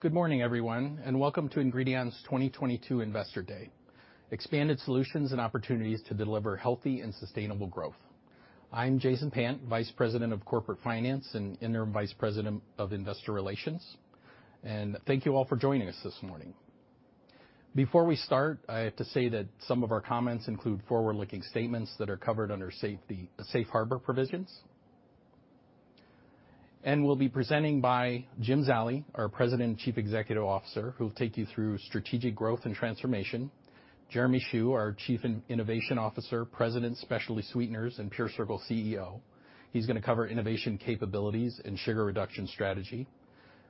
Good morning, everyone, and welcome to Ingredion's 2022 Investor Day. Expanded solutions and opportunities to deliver healthy and sustainable growth. I'm Jason Payant, Vice President of Corporate Finance and Interim Vice President of Investor Relations. Thank you all for joining us this morning. Before we start, I have to say that some of our comments include forward-looking statements that are covered under the safe harbor provisions. We'll be presenting by Jim Zallie, our President and Chief Executive Officer, who'll take you through strategic growth and transformation. Jeremy Xu, our Chief Innovation Officer, President Specialty Sweeteners, and PureCircle CEO. He's gonna cover innovation capabilities and sugar reduction strategy.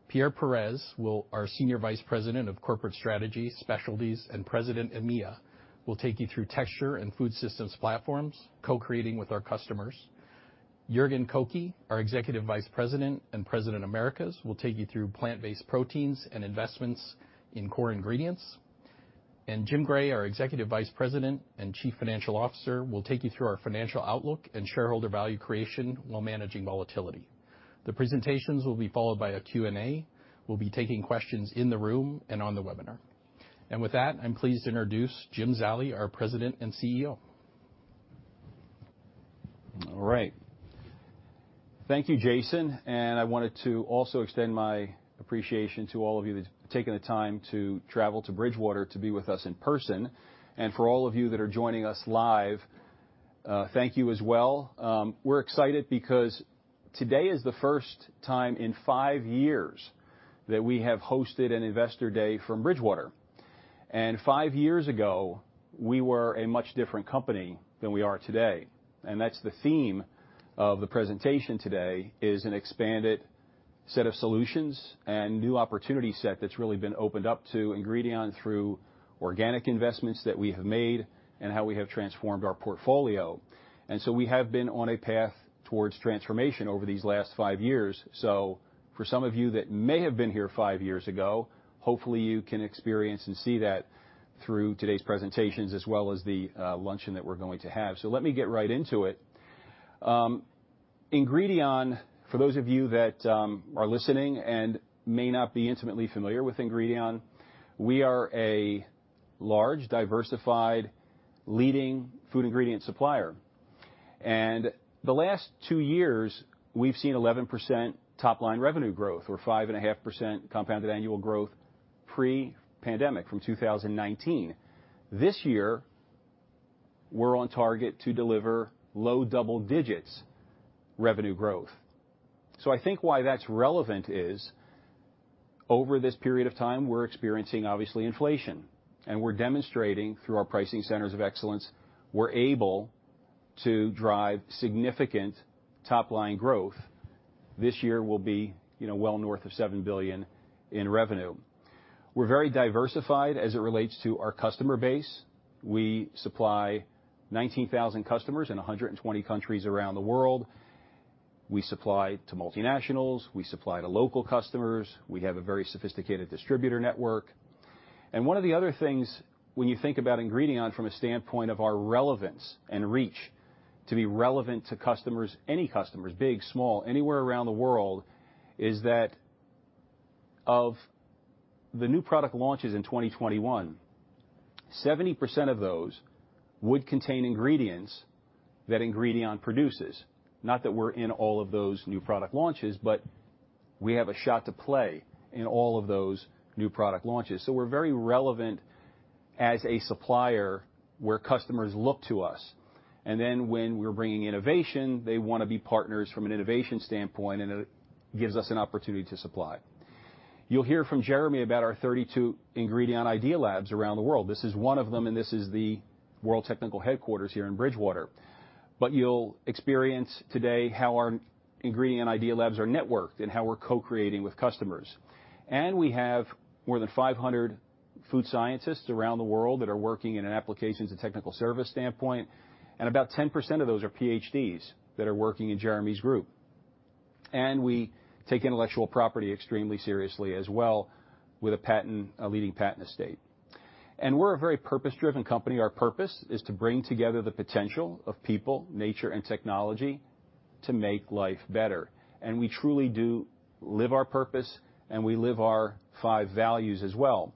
Pierre Perez y Landazuri, our Senior Vice President of Corporate Strategy, Specialties, and President, EMEA, will take you through Texture and Food Systems Platforms, co-creating with our customers. Jorgen Kokke, our Executive Vice President and President, Americas, will take you through plant-based proteins and investments in core ingredients. Jim Gray, our Executive Vice President and Chief Financial Officer, will take you through our financial outlook and shareholder value creation while managing volatility. The presentations will be followed by a Q&A. We'll be taking questions in the room and on the webinar. With that, I'm pleased to introduce Jim Zallie, our President and CEO. All right. Thank you, Jason, and I wanted to also extend my appreciation to all of you that's taken the time to travel to Bridgewater to be with us in person. For all of you that are joining us live, thank you as well. We're excited because today is the first time in five years that we have hosted an Investor Day from Bridgewater. Five years ago, we were a much different company than we are today. That's the theme of the presentation today, is an expanded set of solutions and new opportunity set that's really been opened up to Ingredion through organic investments that we have made and how we have transformed our portfolio. We have been on a path towards transformation over these last five years. For some of you that may have been here five years ago, hopefully you can experience and see that through today's presentations as well as the luncheon that we're going to have. Let me get right into it. Ingredion, for those of you that are listening and may not be intimately familiar with Ingredion, we are a large, diversified, leading food ingredient supplier. The last two years, we've seen 11% top-line revenue growth or 5.5% compounded annual growth pre-pandemic from 2019. This year, we're on target to deliver low double digits revenue growth. I think why that's relevant is, over this period of time, we're experiencing, obviously, inflation, and we're demonstrating through our pricing centers of excellence, we're able to drive significant top-line growth. This year will be, you know, well north of $7 billion in revenue. We're very diversified as it relates to our customer base. We supply 19,000 customers in 120 countries around the world. We supply to multinationals. We supply to local customers. We have a very sophisticated distributor network. One of the other things when you think about Ingredion from a standpoint of our relevance and reach to be relevant to customers, any customers, big, small, anywhere around the world, is that of the new product launches in 2021, 70% of those would contain ingredients that Ingredion produces. Not that we're in all of those new product launches, but we have a shot to play in all of those new product launches. We're very relevant as a supplier where customers look to us, and then when we're bringing innovation, they wanna be partners from an innovation standpoint, and it gives us an opportunity to supply. You'll hear from Jeremy about our 32 Ingredion Idea Labs® around the world. This is one of them, and this is the world technical headquarters here in Bridgewater. You'll experience today how our Ingredion Idea Labs® are networked and how we're co-creating with customers. We have more than 500 food scientists around the world that are working in an applications and technical service standpoint, and about 10% of those are PhDs that are working in Jeremy's group. We take intellectual property extremely seriously as well with a patent, a leading patent estate. We're a very purpose-driven company. Our purpose is to bring together the potential of people, nature, and technology to make life better. We truly do live our purpose, and we live our five values as well.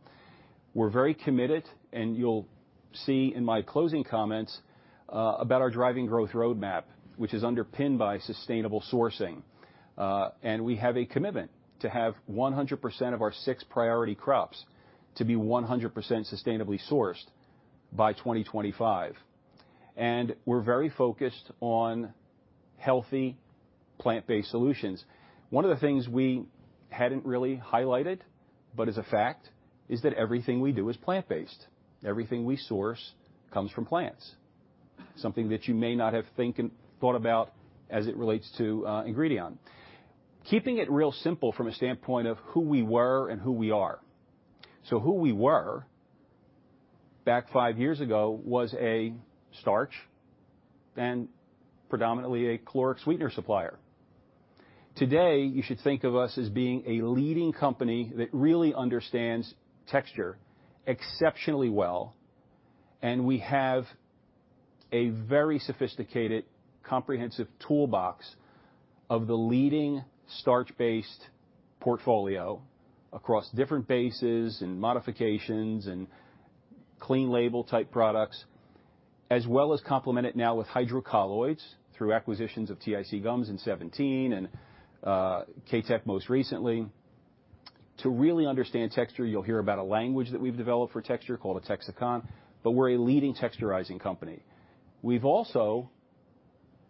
We're very committed, and you'll see in my closing comments about our driving growth roadmap, which is underpinned by sustainable sourcing. We have a commitment to have 100% of our six priority crops to be 100% sustainably sourced by 2025. We're very focused on healthy plant-based solutions. One of the things we hadn't really highlighted but is a fact is that everything we do is plant-based. Everything we source comes from plants, something that you may not have thought about as it relates to Ingredion. Keeping it real simple from a standpoint of who we were and who we are. Who we were back five years ago was a starch and predominantly a caloric sweetener supplier. Today, you should think of us as being a leading company that really understands texture exceptionally well, and we have a very sophisticated, comprehensive toolbox of the leading starch-based portfolio across different bases and modifications and clean label type products, as well as complemented now with hydrocolloids through acquisitions of TIC Gums in 2017 and KaTech most recently. To really understand texture, you'll hear about a language that we've developed for texture called TEXICON®, but we're a leading texturizing company. We've also,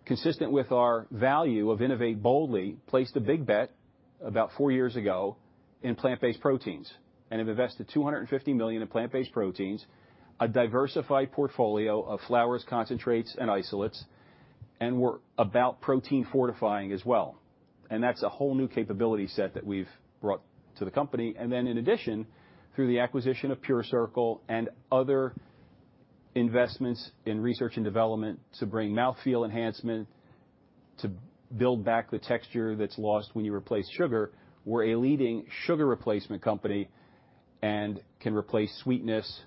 consistent with our value of innovate boldly, placed a big bet about four years ago in plant-based proteins and have invested $250 million in plant-based proteins, a diversified portfolio of flours, concentrates, and isolates, and we're about protein fortifying as well. That's a whole new capability set that we've brought to the company. Then in addition, through the acquisition of PureCircle and other investments in research and development to bring mouthfeel enhancement, to build back the texture that's lost when you replace sugar, we're a leading sugar replacement company and can replace sweetness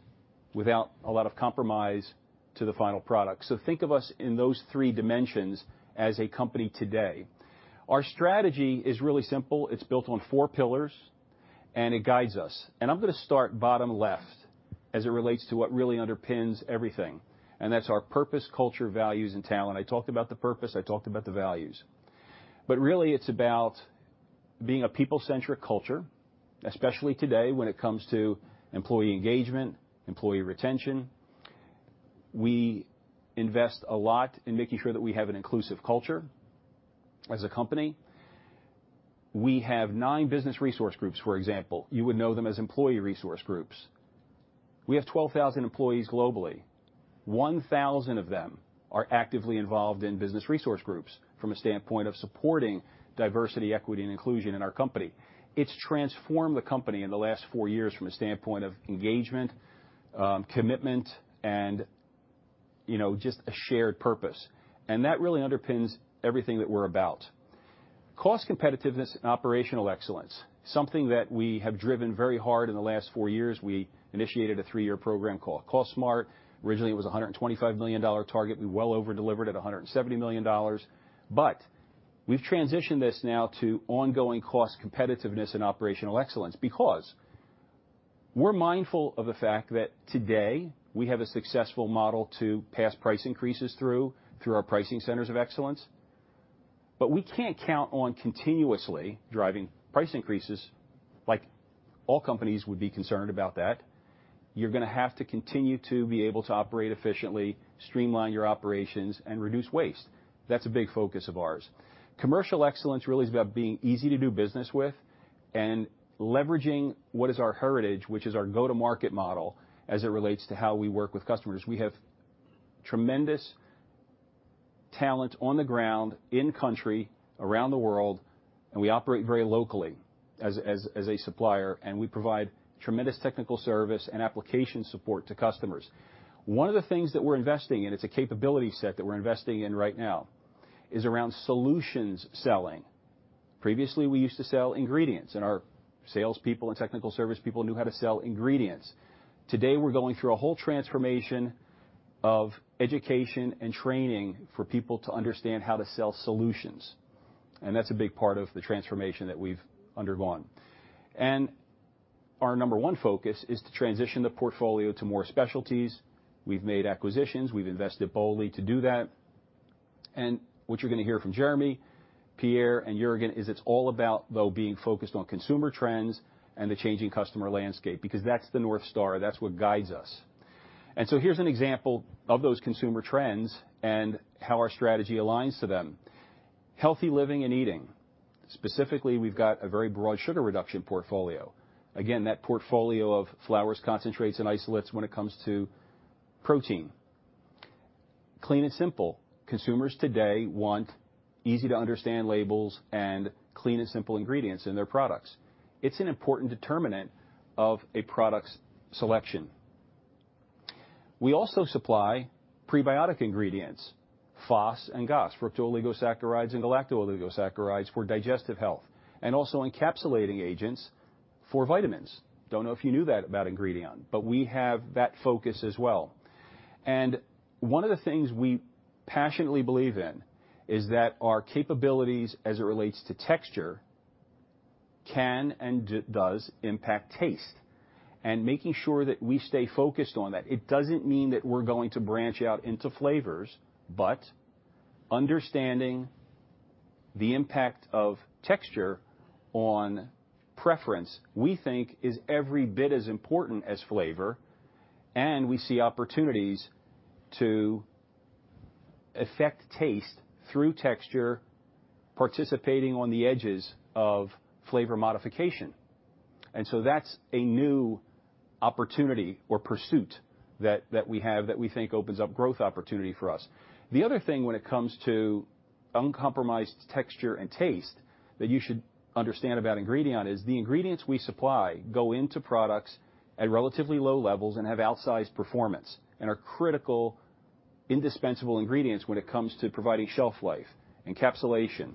without a lot of compromise to the final product. Think of us in those three dimensions as a company today. Our strategy is really simple. It's built on four pillars, and it guides us. I'm going to start bottom left as it relates to what really underpins everything, and that's our purpose, culture, values, and talent. I talked about the purpose. I talked about the values. Really, it's about being a people-centric culture, especially today when it comes to employee engagement, employee retention. We invest a lot in making sure that we have an inclusive culture as a company. We have nine business resource groups, for example. You would know them as employee resource groups. We have 12,000 employees globally. 1,000 of them are actively involved in business resource groups from a standpoint of supporting diversity, equity, and inclusion in our company. It's transformed the company in the last four years from a standpoint of engagement, commitment, and, you know, just a shared purpose. That really underpins everything that we're about. Cost competitiveness and operational excellence, something that we have driven very hard in the last four years. We initiated a 3-year program called Cost Smart. Originally, it was a $125 million target. We well over-delivered at a $170 million. We've transitioned this now to ongoing cost competitiveness and operational excellence because we're mindful of the fact that today we have a successful model to pass price increases through our pricing centers of excellence. We can't count on continuously driving price increases like all companies would be concerned about that. You're going to have to continue to be able to operate efficiently, streamline your operations, and reduce waste. That's a big focus of ours. Commercial excellence really is about being easy to do business with and leveraging what is our heritage, which is our go-to-market model as it relates to how we work with customers. We have tremendous talent on the ground, in country, around the world, and we operate very locally as a supplier, and we provide tremendous technical service and application support to customers. One of the things that we're investing in, it's a capability set that we're investing in right now, is around solutions selling. Previously, we used to sell ingredients, and our salespeople and technical service people knew how to sell ingredients. Today, we're going through a whole transformation of education and training for people to understand how to sell solutions, and that's a big part of the transformation that we've undergone. Our number one focus is to transition the portfolio to more specialties. We've made acquisitions. We've invested boldly to do that. What you're going to hear from Jeremy, Pierre, and Jorgen is it's all about, though, being focused on consumer trends and the changing customer landscape because that's the North Star. That's what guides us. Here's an example of those consumer trends and how our strategy aligns to them. Healthy living and eating. Specifically, we've got a very broad sugar reduction portfolio. Again, that portfolio of flours, concentrates, and isolates when it comes to protein. Clean and simple. Consumers today want easy-to-understand labels and clean and simple ingredients in their products. It's an important determinant of a product's selection. We also supply prebiotic ingredients, FOS and GOS, fructooligosaccharides and galactooligosaccharides for digestive health, and also encapsulating agents for vitamins. Don't know if you knew that about Ingredion, but we have that focus as well. One of the things we passionately believe in is that our capabilities as it relates to texture can and does impact taste and making sure that we stay focused on that. It doesn't mean that we're going to branch out into flavors, but understanding the impact of texture on preference, we think, is every bit as important as flavor. We see opportunities to affect taste through texture, participating on the edges of flavor modification. That's a new opportunity or pursuit that we have that we think opens up growth opportunity for us. The other thing when it comes to uncompromised texture and taste that you should understand about Ingredion is the ingredients we supply go into products at relatively low levels and have outsized performance and are critical, indispensable ingredients when it comes to providing shelf life, encapsulation,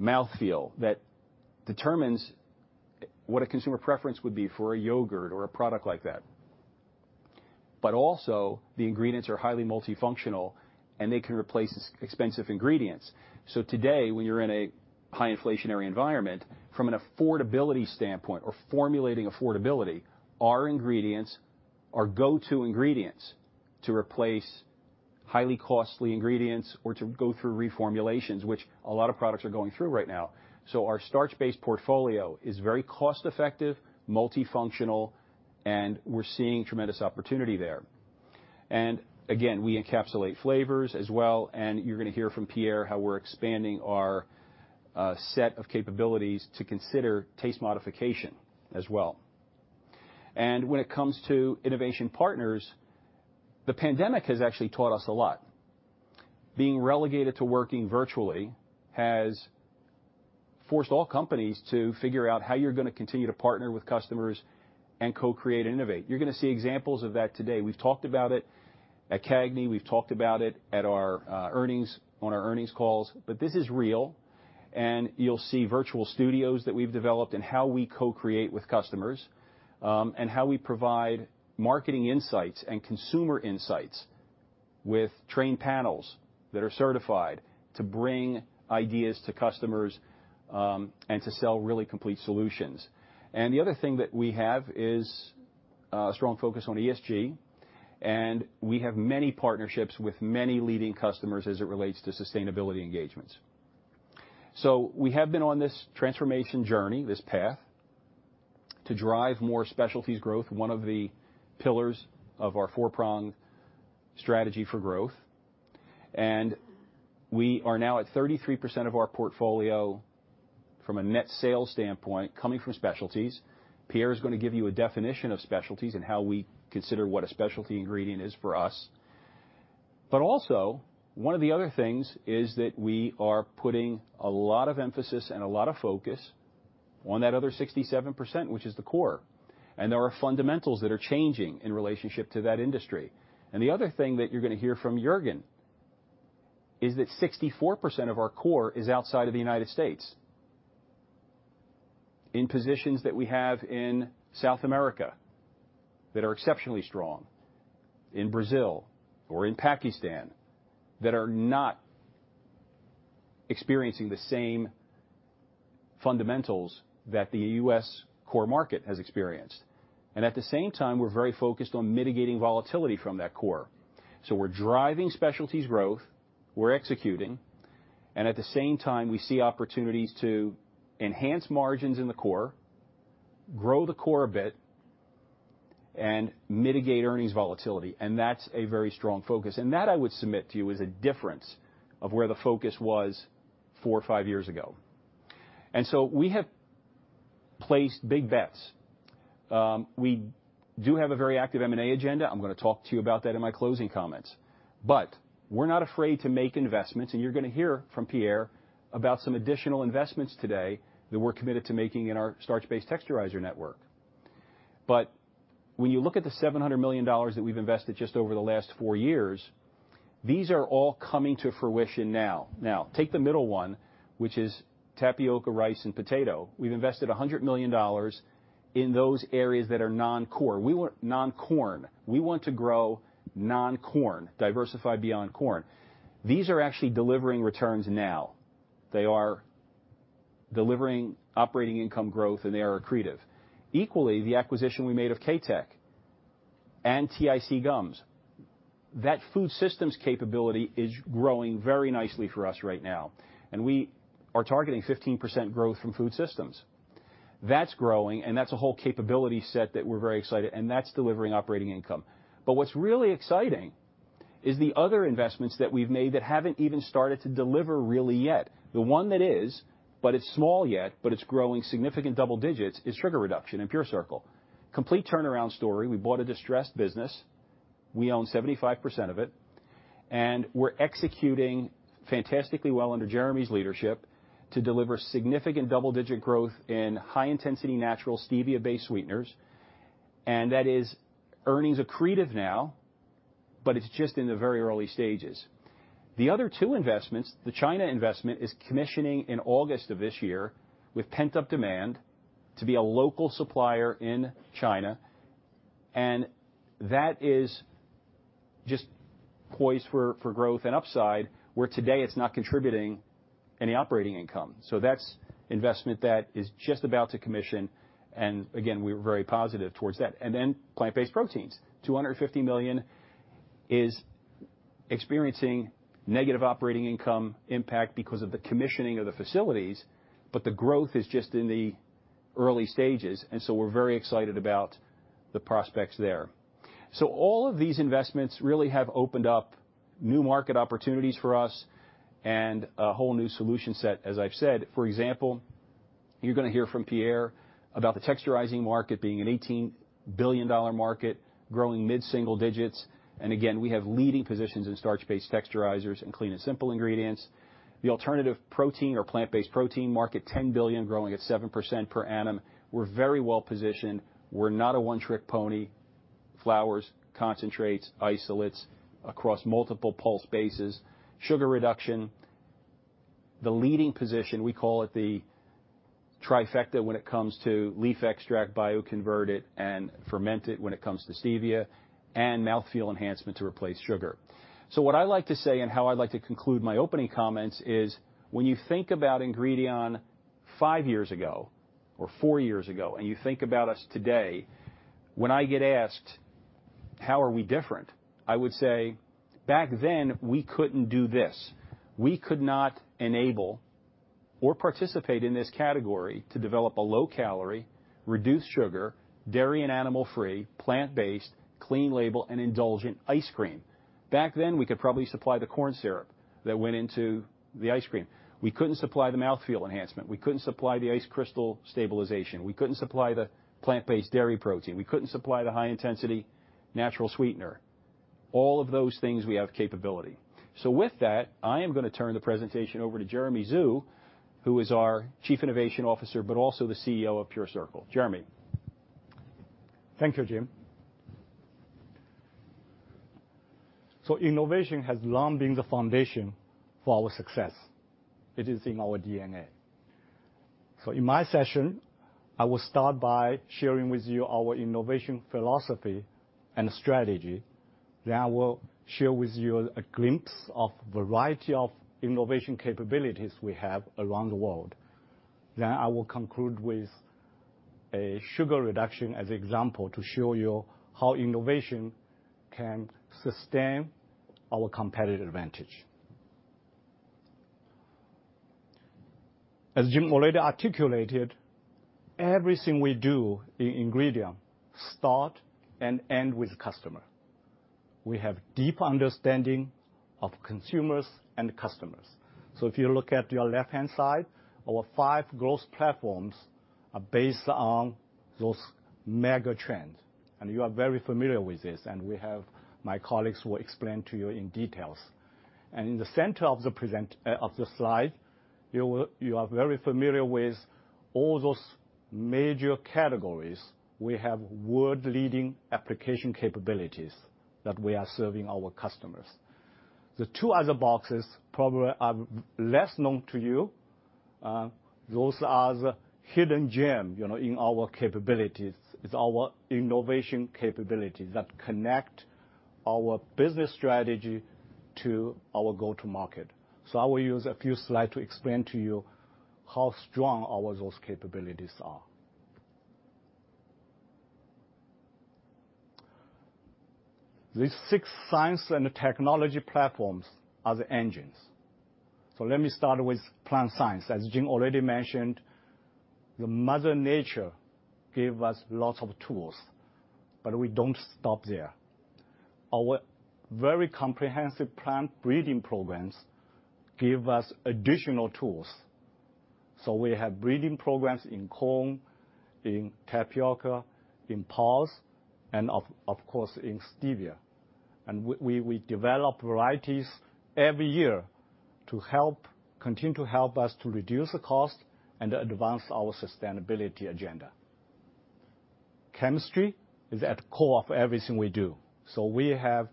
mouthfeel that determines what a consumer preference would be for a yogurt or a product like that. Also the ingredients are highly multifunctional, and they can replace expensive ingredients. Today, when you're in a high inflationary environment, from an affordability standpoint or formulating affordability, our ingredients are go-to ingredients to replace highly costly ingredients or to go through reformulations, which a lot of products are going through right now. Our starch-based portfolio is very cost-effective, multifunctional, and we're seeing tremendous opportunity there. Again, we encapsulate flavors as well, and you're gonna hear from Pierre how we're expanding our set of capabilities to consider taste modification as well. When it comes to innovation partners, the pandemic has actually taught us a lot. Being relegated to working virtually has forced all companies to figure out how you're gonna continue to partner with customers and co-create and innovate. You're gonna see examples of that today. We've talked about it at CAGNY, we've talked about it at our earnings calls, but this is real. You'll see virtual studios that we've developed and how we co-create with customers, and how we provide marketing insights and consumer insights with trained panels that are certified to bring ideas to customers, and to sell really complete solutions. The other thing that we have is a strong focus on ESG, and we have many partnerships with many leading customers as it relates to sustainability engagements. We have been on this transformation journey, this path, to drive more specialties growth, one of the pillars of our four-pronged strategy for growth. We are now at 33% of our portfolio from a net sales standpoint coming from specialties. Pierre is gonna give you a definition of specialties and how we consider what a specialty ingredient is for us. Also, one of the other things is that we are putting a lot of emphasis and a lot of focus on that other 67%, which is the core. There are fundamentals that are changing in relationship to that industry. The other thing that you're gonna hear from Jorgen is that 64% of our core is outside of the United States in positions that we have in South America that are exceptionally strong, in Brazil or in Pakistan, that are not experiencing the same fundamentals that the U.S. core market has experienced. At the same time, we're very focused on mitigating volatility from that core. We're driving specialties growth, we're executing, and at the same time, we see opportunities to enhance margins in the core, grow the core a bit, and mitigate earnings volatility. That's a very strong focus. That, I would submit to you, is a difference of where the focus was four or five years ago. We have placed big bets. We do have a very active M&A agenda. I'm gonna talk to you about that in my closing comments. We're not afraid to make investments, and you're gonna hear from Pierre about some additional investments today that we're committed to making in our starch-based texturizer network. When you look at the $700 million that we've invested just over the last four years, these are all coming to fruition now. Take the middle one, which is tapioca, rice, and potato. We've invested $100 million in those areas that are non-core. We want non-corn. We want to grow non-corn, diversify beyond corn. These are actually delivering returns now. They are delivering operating income growth, and they are accretive. Equally, the acquisition we made of KaTech and TIC Gums, that food systems capability is growing very nicely for us right now, and we are targeting 15% growth from food systems. That's growing, and that's a whole capability set that we're very excited, and that's delivering operating income. But what's really exciting is the other investments that we've made that haven't even started to deliver really yet. The one that is, but it's small yet, but it's growing significant double digits is sugar reduction in PureCircle. Complete turnaround story. We bought a distressed business, we own 75% of it, and we're executing fantastically well under Jeremy's leadership to deliver significant double-digit growth in high-intensity natural stevia-based sweeteners. That is earnings accretive now, but it's just in the very early stages. The other two investments, the China investment, is commissioning in August of this year with pent-up demand to be a local supplier in China, and that is just poised for growth and upside, where today it's not contributing any operating income. That's investment that is just about to commission, and again, we're very positive towards that. Plant-based proteins. $250 million is experiencing negative operating income impact because of the commissioning of the facilities, but the growth is just in the early stages, and so we're very excited about the prospects there. All of these investments really have opened up new market opportunities for us and a whole new solution set, as I've said. For example, you're gonna hear from Pierre about the texturizing market being a $18 billion market growing mid-single digits. Again, we have leading positions in starch-based texturizers and clean and simple ingredients. The alternative protein or plant-based protein market, $10 billion growing at 7% per annum. We're very well positioned. We're not a one-trick pony. Flours, concentrates, isolates across multiple pulse bases, sugar reduction. The leading position, we call it the trifecta when it comes to leaf extract, bioconvert it, and ferment it when it comes to stevia, and mouthfeel enhancement to replace sugar. What I like to say and how I'd like to conclude my opening comments is, when you think about Ingredion five years ago or four years ago, and you think about us today, when I get asked, "How are we different?" I would say, "Back then, we couldn't do this. We could not enable or participate in this category to develop a low-calorie, reduced sugar, dairy and animal-free, plant-based, clean label and indulgent ice cream. Back then, we could probably supply the corn syrup that went into the ice cream. We couldn't supply the mouthfeel enhancement. We couldn't supply the ice crystal stabilization. We couldn't supply the plant-based dairy protein. We couldn't supply the high-intensity natural sweetener. All of those things, we have capability." With that, I am gonna turn the presentation over to Jeremy Xu, who is our Chief Innovation Officer, but also the CEO of PureCircle. Jeremy. Thank you, Jim. Innovation has long been the foundation for our success. It is in our DNA. In my session, I will start by sharing with you our innovation philosophy and strategy. I will share with you a glimpse of variety of innovation capabilities we have around the world. I will conclude with a sugar reduction as example to show you how innovation can sustain our competitive advantage. As Jim already articulated, everything we do in Ingredion start and end with customer. We have deep understanding of consumers and customers. If you look at your left-hand side, our five growth platforms are based on those mega trends. You are very familiar with this. My colleagues will explain to you in details. In the center of the slide, you are very familiar with all those major categories. We have world-leading application capabilities that we are serving our customers. The two other boxes probably are less known to you, those are the hidden gem, you know, in our capabilities. It's our innovation capabilities that connect our business strategy to our go-to market. I will use a few slide to explain to you how strong our, those capabilities are. These six science and technology platforms are the engines. Let me start with plant science. As Jim already mentioned, Mother Nature gave us lots of tools, but we don't stop there. Our very comprehensive plant breeding programs give us additional tools. We have breeding programs in corn, in tapioca, in pulse, and of course, in stevia. We develop varieties every year to help, continue to help us to reduce the cost and advance our sustainability agenda. Chemistry is at core of everything we do. We have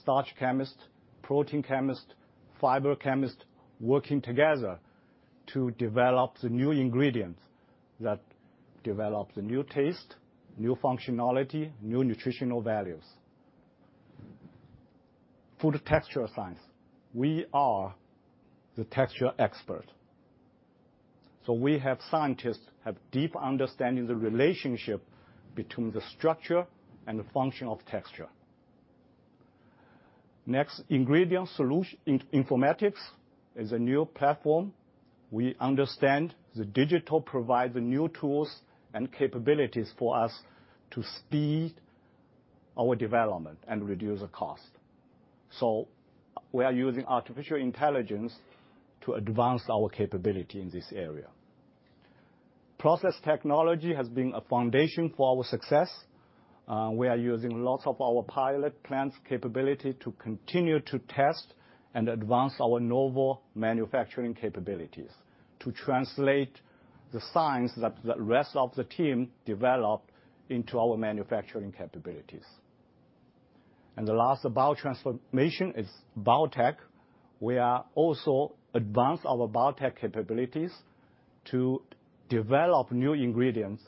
starch chemist, protein chemist, fiber chemist working together to develop the new ingredients that develop the new taste, new functionality, new nutritional values. Food texture science. We are the texture expert. We have scientists have deep understanding the relationship between the structure and the function of texture. Next, ingredient informatics is a new platform. We understand the digital provide the new tools and capabilities for us to speed our development and reduce the cost. We are using artificial intelligence to advance our capability in this area. Process technology has been a foundation for our success. We are using lots of our pilot plants capability to continue to test and advance our novel manufacturing capabilities to translate the science that the rest of the team developed into our manufacturing capabilities. The last, biotransformation, is biotech. We are also advance our biotech capabilities to develop new ingredients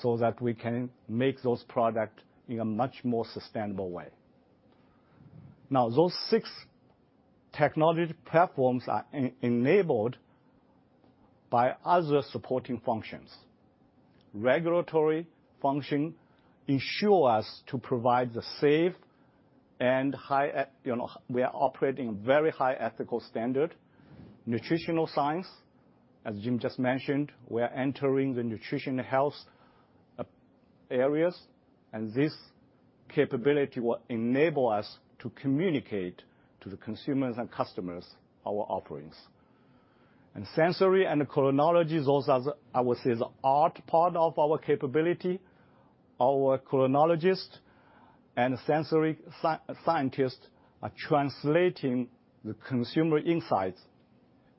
so that we can make those product in a much more sustainable way. Now, those six technology platforms are enabled by other supporting functions. Regulatory function ensure us to provide the safe and high, you know, ethical standard. We are operating very high ethical standard. Nutritional science, as Jim just mentioned, we're entering the nutrition health areas, and this capability will enable us to communicate to the consumers and customers our offerings. Sensory and Culinology, those are the, I would say, the art part of our capability. Our Culinologist and sensory scientists are translating the consumer insights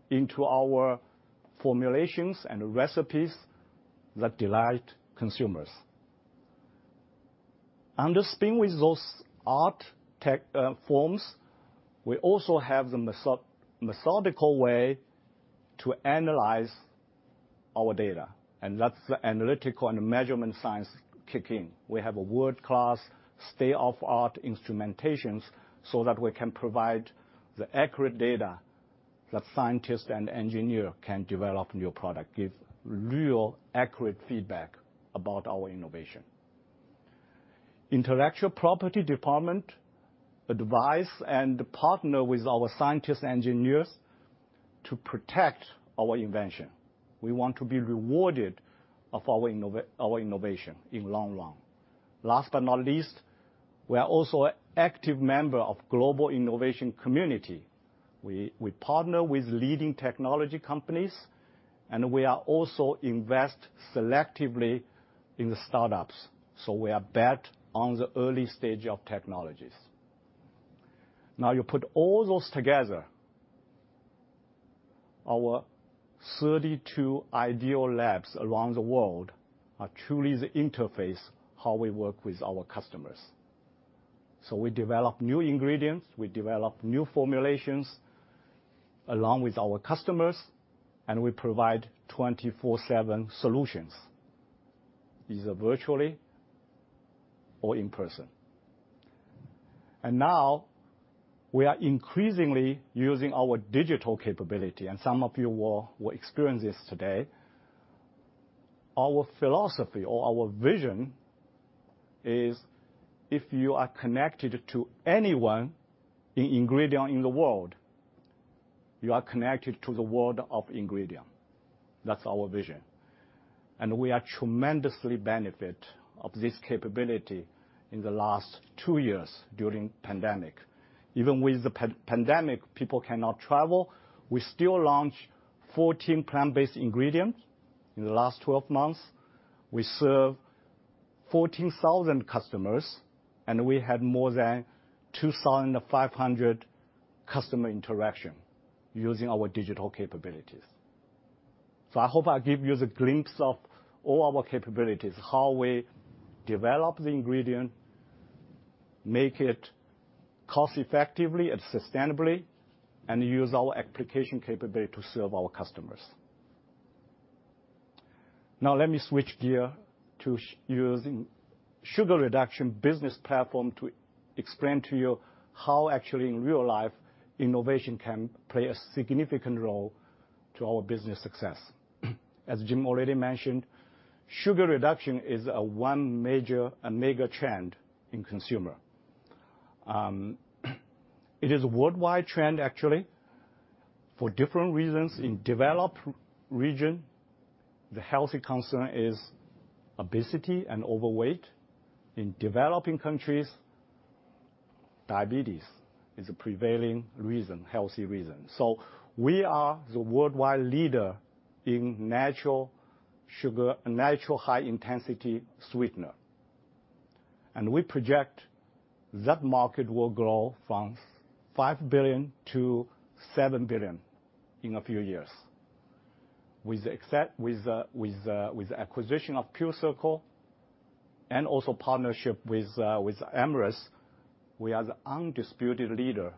into our formulations and recipes that delight consumers. Understand with those hard tech forms, we also have the methodical way to analyze our data, and that's the analytical and measurement science kick in. We have a world-class state-of-the-art instrumentation so that we can provide the accurate data that scientist and engineer can develop new product, give real accurate feedback about our innovation. Intellectual property department advise and partner with our scientists engineers to protect our invention. We want to be rewarded for our innovation in long run. Last but not least, we are also an active member of global innovation community. We partner with leading technology companies, and we also invest selectively in the startups. We bet on the early stage of technologies. Now you put all those together, our 32 Idea Labs around the world are truly the interface how we work with our customers. We develop new ingredients, we develop new formulations along with our customers, and we provide 24/7 solutions, either virtually or in person. We are increasingly using our digital capability, and some of you will experience this today. Our philosophy or our vision is if you are connected to anyone in Ingredion in the world, you are connected to the world of Ingredion. That's our vision. We tremendously benefited from this capability in the last two years during the pandemic. Even with the pandemic, people cannot travel, we still launch 14 plant-based ingredients. In the last 12 months, we serve 14,000 customers, and we had more than 2,500 customer interactions using our digital capabilities. I hope I give you the glimpse of all our capabilities, how we develop the ingredient, make it cost-effectively and sustainably, and use our application capability to serve our customers. Now let me switch gears to using sugar reduction business platform to explain to you how actually in real life innovation can play a significant role to our business success. As Jim already mentioned, sugar reduction is one major, a mega trend in consumer. It is a worldwide trend actually for different reasons. In developed region, the health concern is obesity and overweight. In developing countries, diabetes is a prevailing reason, health reason. We are the worldwide leader in natural sugar, natural high-intensity sweetener. We project that market will grow from $5 billion-$7 billion in a few years. With the except With the acquisition of PureCircle and also partnership with Amyris, we are the undisputed leader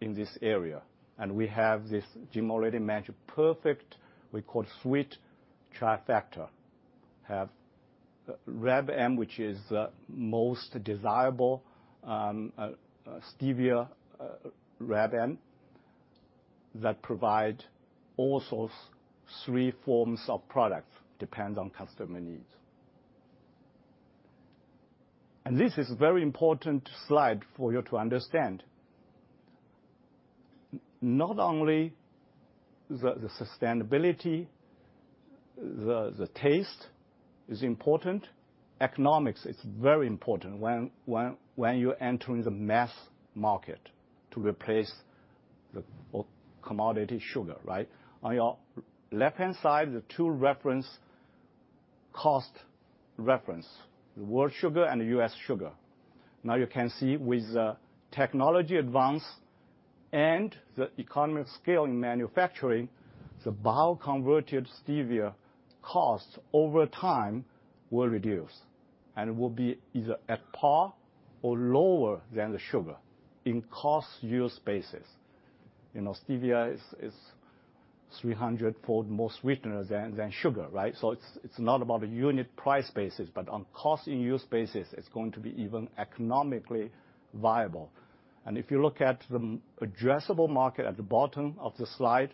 in this area, and we have this, Jim already mentioned, perfect, we call sweet trifecta. Have Reb M, which is the most desirable stevia, Reb M that provide all sorts, three forms of products, depends on customer needs. This is very important slide for you to understand. Not only the sustainability, the taste is important, economics is very important when you're entering the mass market to replace the commodity sugar, right? On your left-hand side, the two reference, cost reference, the world sugar and U.S. sugar. Now you can see with the technology advance and the economic scale in manufacturing, the bioconverted stevia costs over time will reduce and will be either at par or lower than the sugar in cost use basis. Stevia is 300-fold more sweetener than sugar, right? It's not about the unit price basis, but on cost and use basis it's going to be even economically viable. If you look at the addressable market at the bottom of the slide,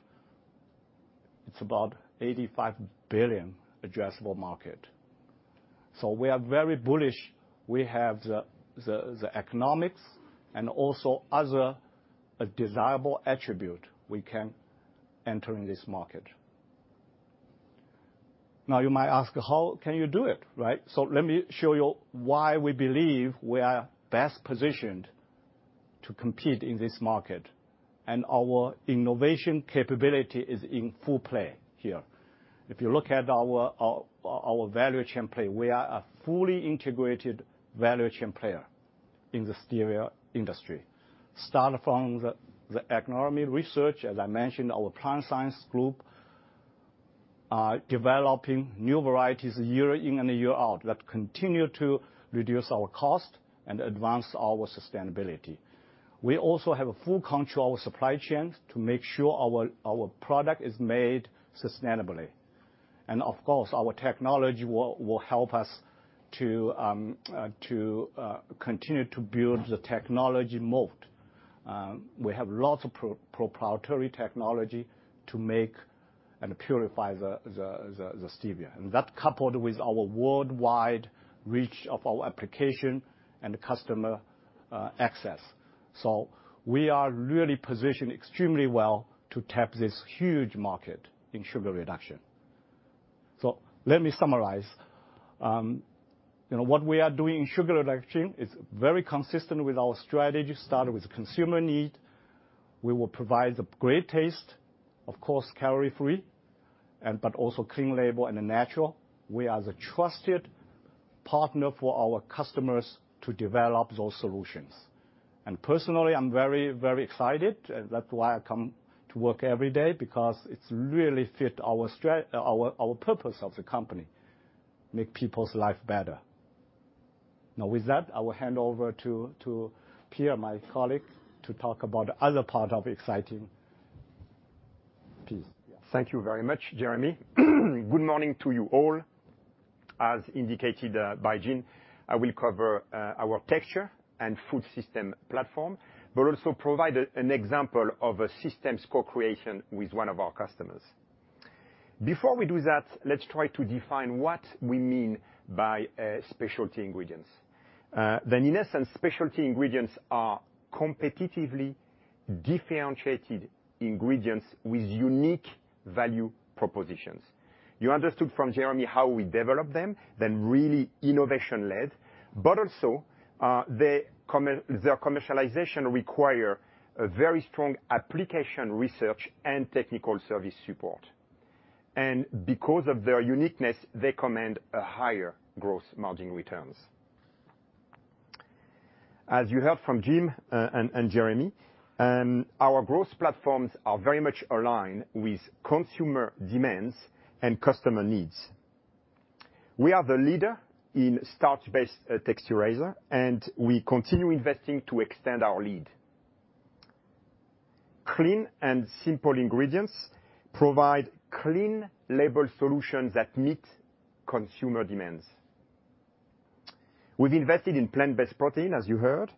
it's about $85 billion addressable market. We are very bullish. We have the economics and also other desirable attribute we can enter in this market. Now you might ask, how can you do it, right? Let me show you why we believe we are best positioned to compete in this market, and our innovation capability is in full play here. If you look at our value chain play, we are a fully integrated value chain player in the stevia industry. Start from the agronomy research, as I mentioned, our plant science group are developing new varieties year in and year out that continue to reduce our cost and advance our sustainability. We also have a full control of supply chains to make sure our product is made sustainably. Of course, our technology will help us to continue to build the technology moat. We have lots of proprietary technology to make and purify the stevia. That coupled with our worldwide reach of our application and customer access. We are really positioned extremely well to tap this huge market in sugar reduction. Let me summarize. You know, what we are doing in sugar reduction is very consistent with our strategy. Starting with consumer need, we will provide the great taste, of course, calorie-free, and but also clean label and natural. We are the trusted partner for our customers to develop those solutions. Personally, I'm very, very excited, that's why I come to work every day because it's really fit our purpose of the company, make people's life better. Now, with that, I will hand over to Pierre, my colleague, to talk about other part of exciting piece. Thank you very much, Jeremy. Good morning to you all. As indicated by Jim, I will cover our texture and food system platform, but also provide an example of a systems co-creation with one of our customers. Before we do that, let's try to define what we mean by specialty ingredients. Then in essence, specialty ingredients are competitively differentiated ingredients with unique value propositions. You understood from Jeremy how we develop them, they're really innovation-led, but also they come—their commercialization require a very strong application research and technical service support. Because of their uniqueness, they command a higher gross margin returns. As you heard from Jim and Jeremy, our growth platforms are very much aligned with consumer demands and customer needs. We are the leader in starch-based texturizer, and we continue investing to extend our lead. Clean and simple ingredients provide clean label solutions that meet consumer demands. We've invested in plant-based protein, as you heard,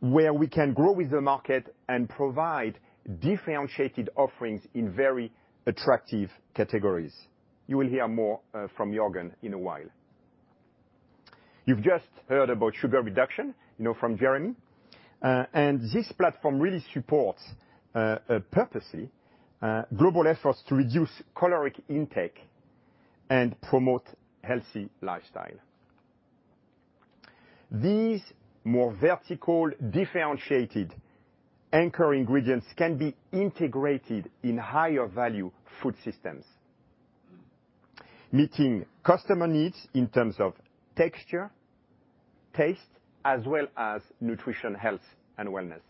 where we can grow with the market and provide differentiated offerings in very attractive categories. You will hear more from Jorgen in a while. You've just heard about sugar reduction, you know, from Jeremy. This platform really supports purposeful global efforts to reduce caloric intake and promote healthy lifestyle. These more vertically differentiated anchor ingredients can be integrated in higher value food systems, meeting customer needs in terms of texture, taste, as well as nutrition, health and wellness.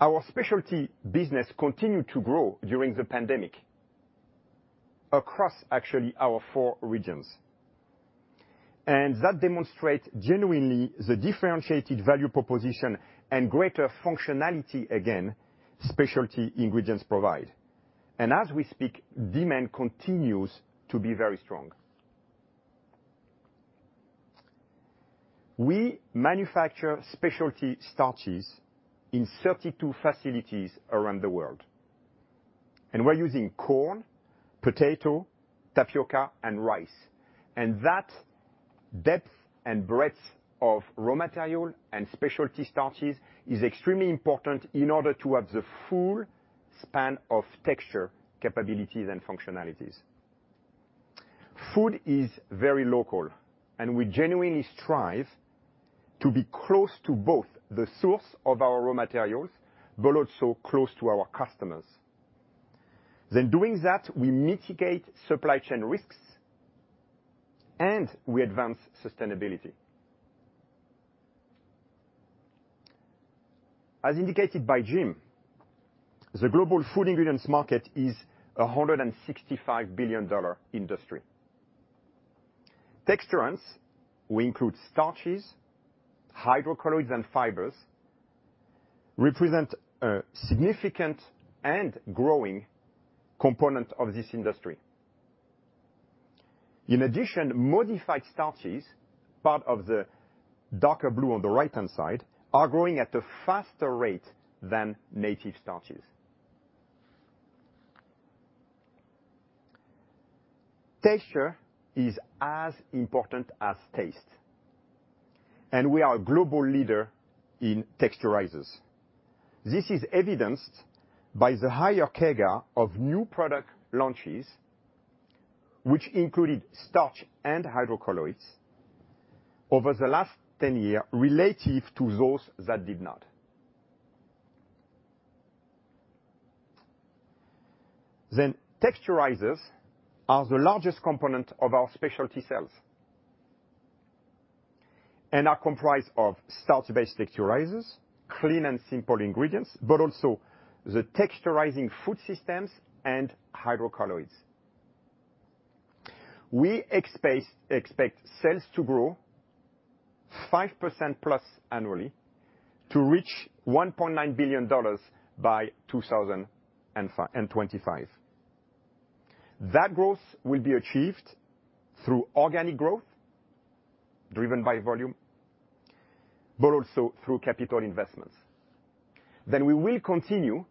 Our specialty business continued to grow during the pandemic across actually our four regions. That demonstrates genuinely the differentiated value proposition and greater functionality again, specialty ingredients provide. As we speak, demand continues to be very strong. We manufacture specialty starches in 32 facilities around the world, and we're using corn, potato, tapioca, and rice. That depth and breadth of raw material and specialty starches is extremely important in order to have the full span of texture, capabilities and functionalities. Food is very local, and we genuinely strive to be close to both the source of our raw materials, but also close to our customers. Doing that, we mitigate supply chain risks and we advance sustainability. As indicated by Jim, the global food ingredients market is a $165 billion industry. Texturants, we include starches, hydrocolloids and fibers, represent a significant and growing component of this industry. In addition, modified starches, part of the darker blue on the right-hand side, are growing at a faster rate than native starches. Texture is as important as taste, and we are a global leader in texturizers. This is evidenced by the higher CAGR of new product launches, which included starch and hydrocolloids over the last ten-year relative to those that did not. Texturizers are the largest component of our specialty sales and are comprised of starch-based texturizers, clean and simple ingredients, but also the texturizing food systems and hydrocolloids. We expect sales to grow 5%+ annually to reach $1.9 billion by 2025. That growth will be achieved through organic growth driven by volume, but also through capital investments. We will continue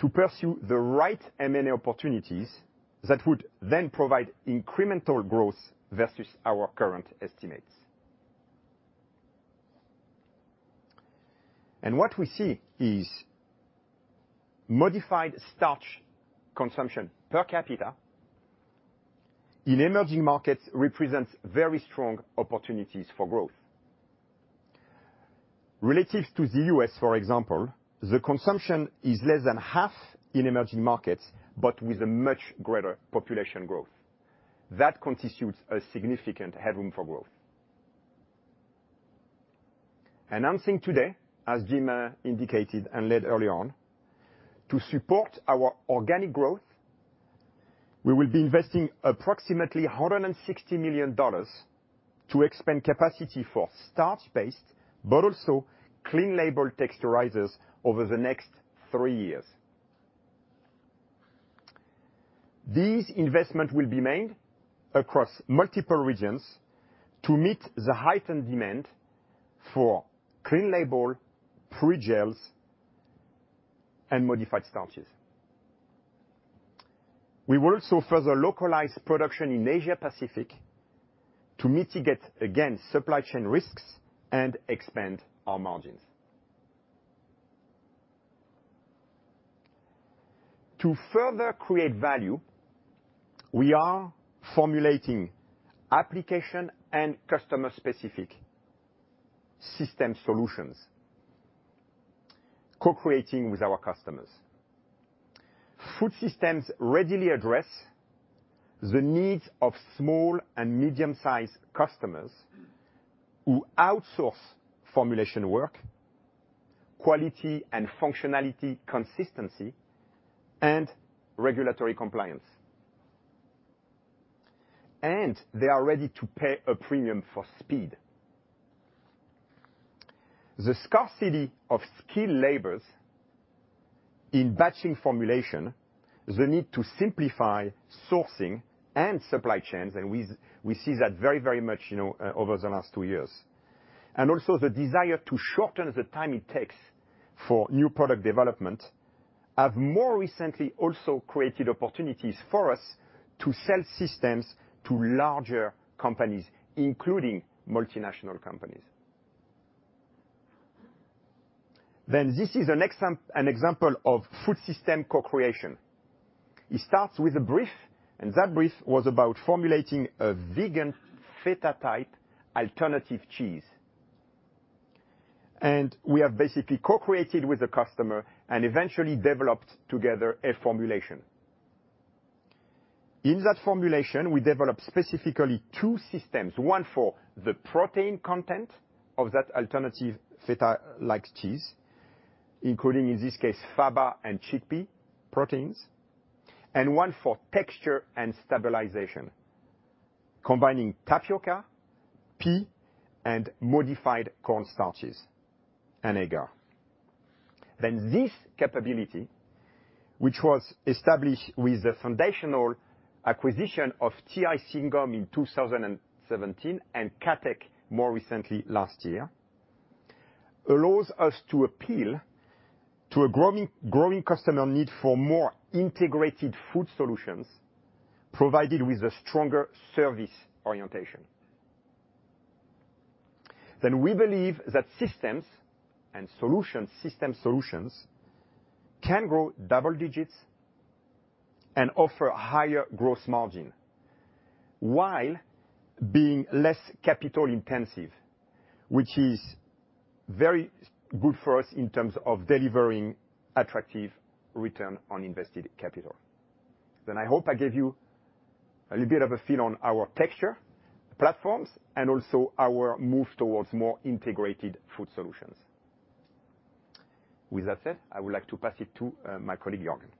to pursue the right M&A opportunities that would then provide incremental growth versus our current estimates. What we see is modified starch consumption per capita in emerging markets represents very strong opportunities for growth. Relative to the U.S., for example, the consumption is less than half in emerging markets, but with a much greater population growth. That constitutes a significant headroom for growth. Announcing today, as Jim indicated and led early on, to support our organic growth, we will be investing approximately $160 million to expand capacity for starch-based, but also clean label texturizers over the next three years. These investments will be made across multiple regions to meet the heightened demand for clean label, pre-gels, and modified starches. We will also further localize production in Asia-Pacific to mitigate, again, supply chain risks and expand our margins. To further create value, we are formulating application and customer-specific system solutions, co-creating with our customers. Food systems readily address the needs of small and medium-sized customers who outsource formulation work, quality and functionality, consistency, and regulatory compliance. They are ready to pay a premium for speed. The scarcity of skilled labors in batching formulation, the need to simplify sourcing and supply chains, and we see that very much, you know, over the last two years. Also the desire to shorten the time it takes for new product development have more recently also created opportunities for us to sell systems to larger companies, including multinational companies. This is an example of food system co-creation. It starts with a brief, and that brief was about formulating a vegan feta-type alternative cheese. We have basically co-created with the customer and eventually developed together a formulation. In that formulation, we developed specifically two systems, one for the protein content of that alternative feta-like cheese, including, in this case, faba and chickpea proteins, and one for texture and stabilization, combining tapioca, pea, and modified corn starches and agar. This capability, which was established with the foundational acquisition of TIC Gums in 2017, and KaTech more recently last year, allows us to appeal to a growing customer need for more integrated food solutions provided with a stronger service orientation. We believe that systems and solutions can grow double digits and offer higher growth margin while being less capital-intensive, which is very good for us in terms of delivering attractive return on invested capital. I hope I gave you a little bit of a feel on our texture platforms, and also our move towards more integrated food solutions. With that said, I would like to pass it to my colleague, Jorgen. Thank you.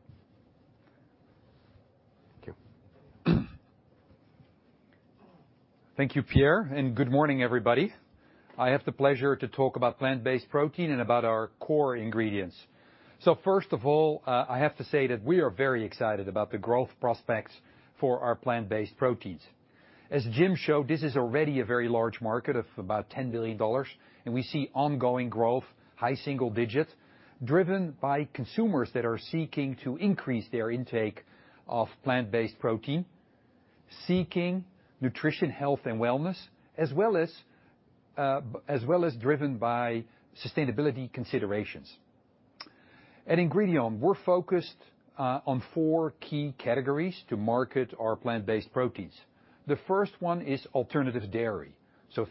Thank you, Pierre, and good morning, everybody. I have the pleasure to talk about plant-based protein and about our core ingredients. First of all, I have to say that we are very excited about the growth prospects for our plant-based proteins. As Jim showed, this is already a very large market of about $10 billion, and we see ongoing growth, high single digits, driven by consumers that are seeking to increase their intake of plant-based protein, seeking nutrition, health, and wellness, as well as well as driven by sustainability considerations. At Ingredion, we're focused on four key categories to market our plant-based proteins. The first one is alternative dairy.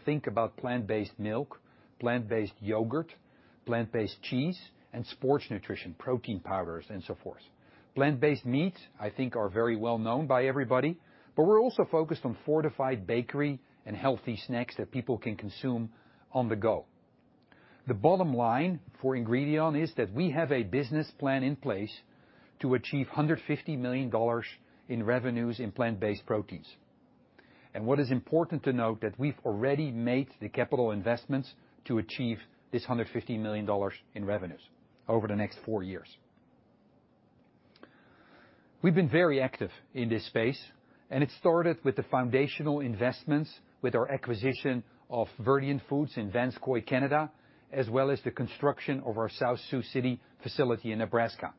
Think about plant-based milk, plant-based yogurt, plant-based cheese, and sports nutrition, protein powders, and so forth. Plant-based meat, I think are very well-known by everybody, but we're also focused on fortified bakery and healthy snacks that people can consume on the go. The bottom line for Ingredion is that we have a business plan in place to achieve $150 million in revenues in plant-based proteins. What is important to note that we've already made the capital investments to achieve this $150 million in revenues over the next four years. We've been very active in this space, and it started with the foundational investments with our acquisition of Verdient Foods in Vanscoy, Canada, as well as the construction of our South Sioux City facility in Nebraska.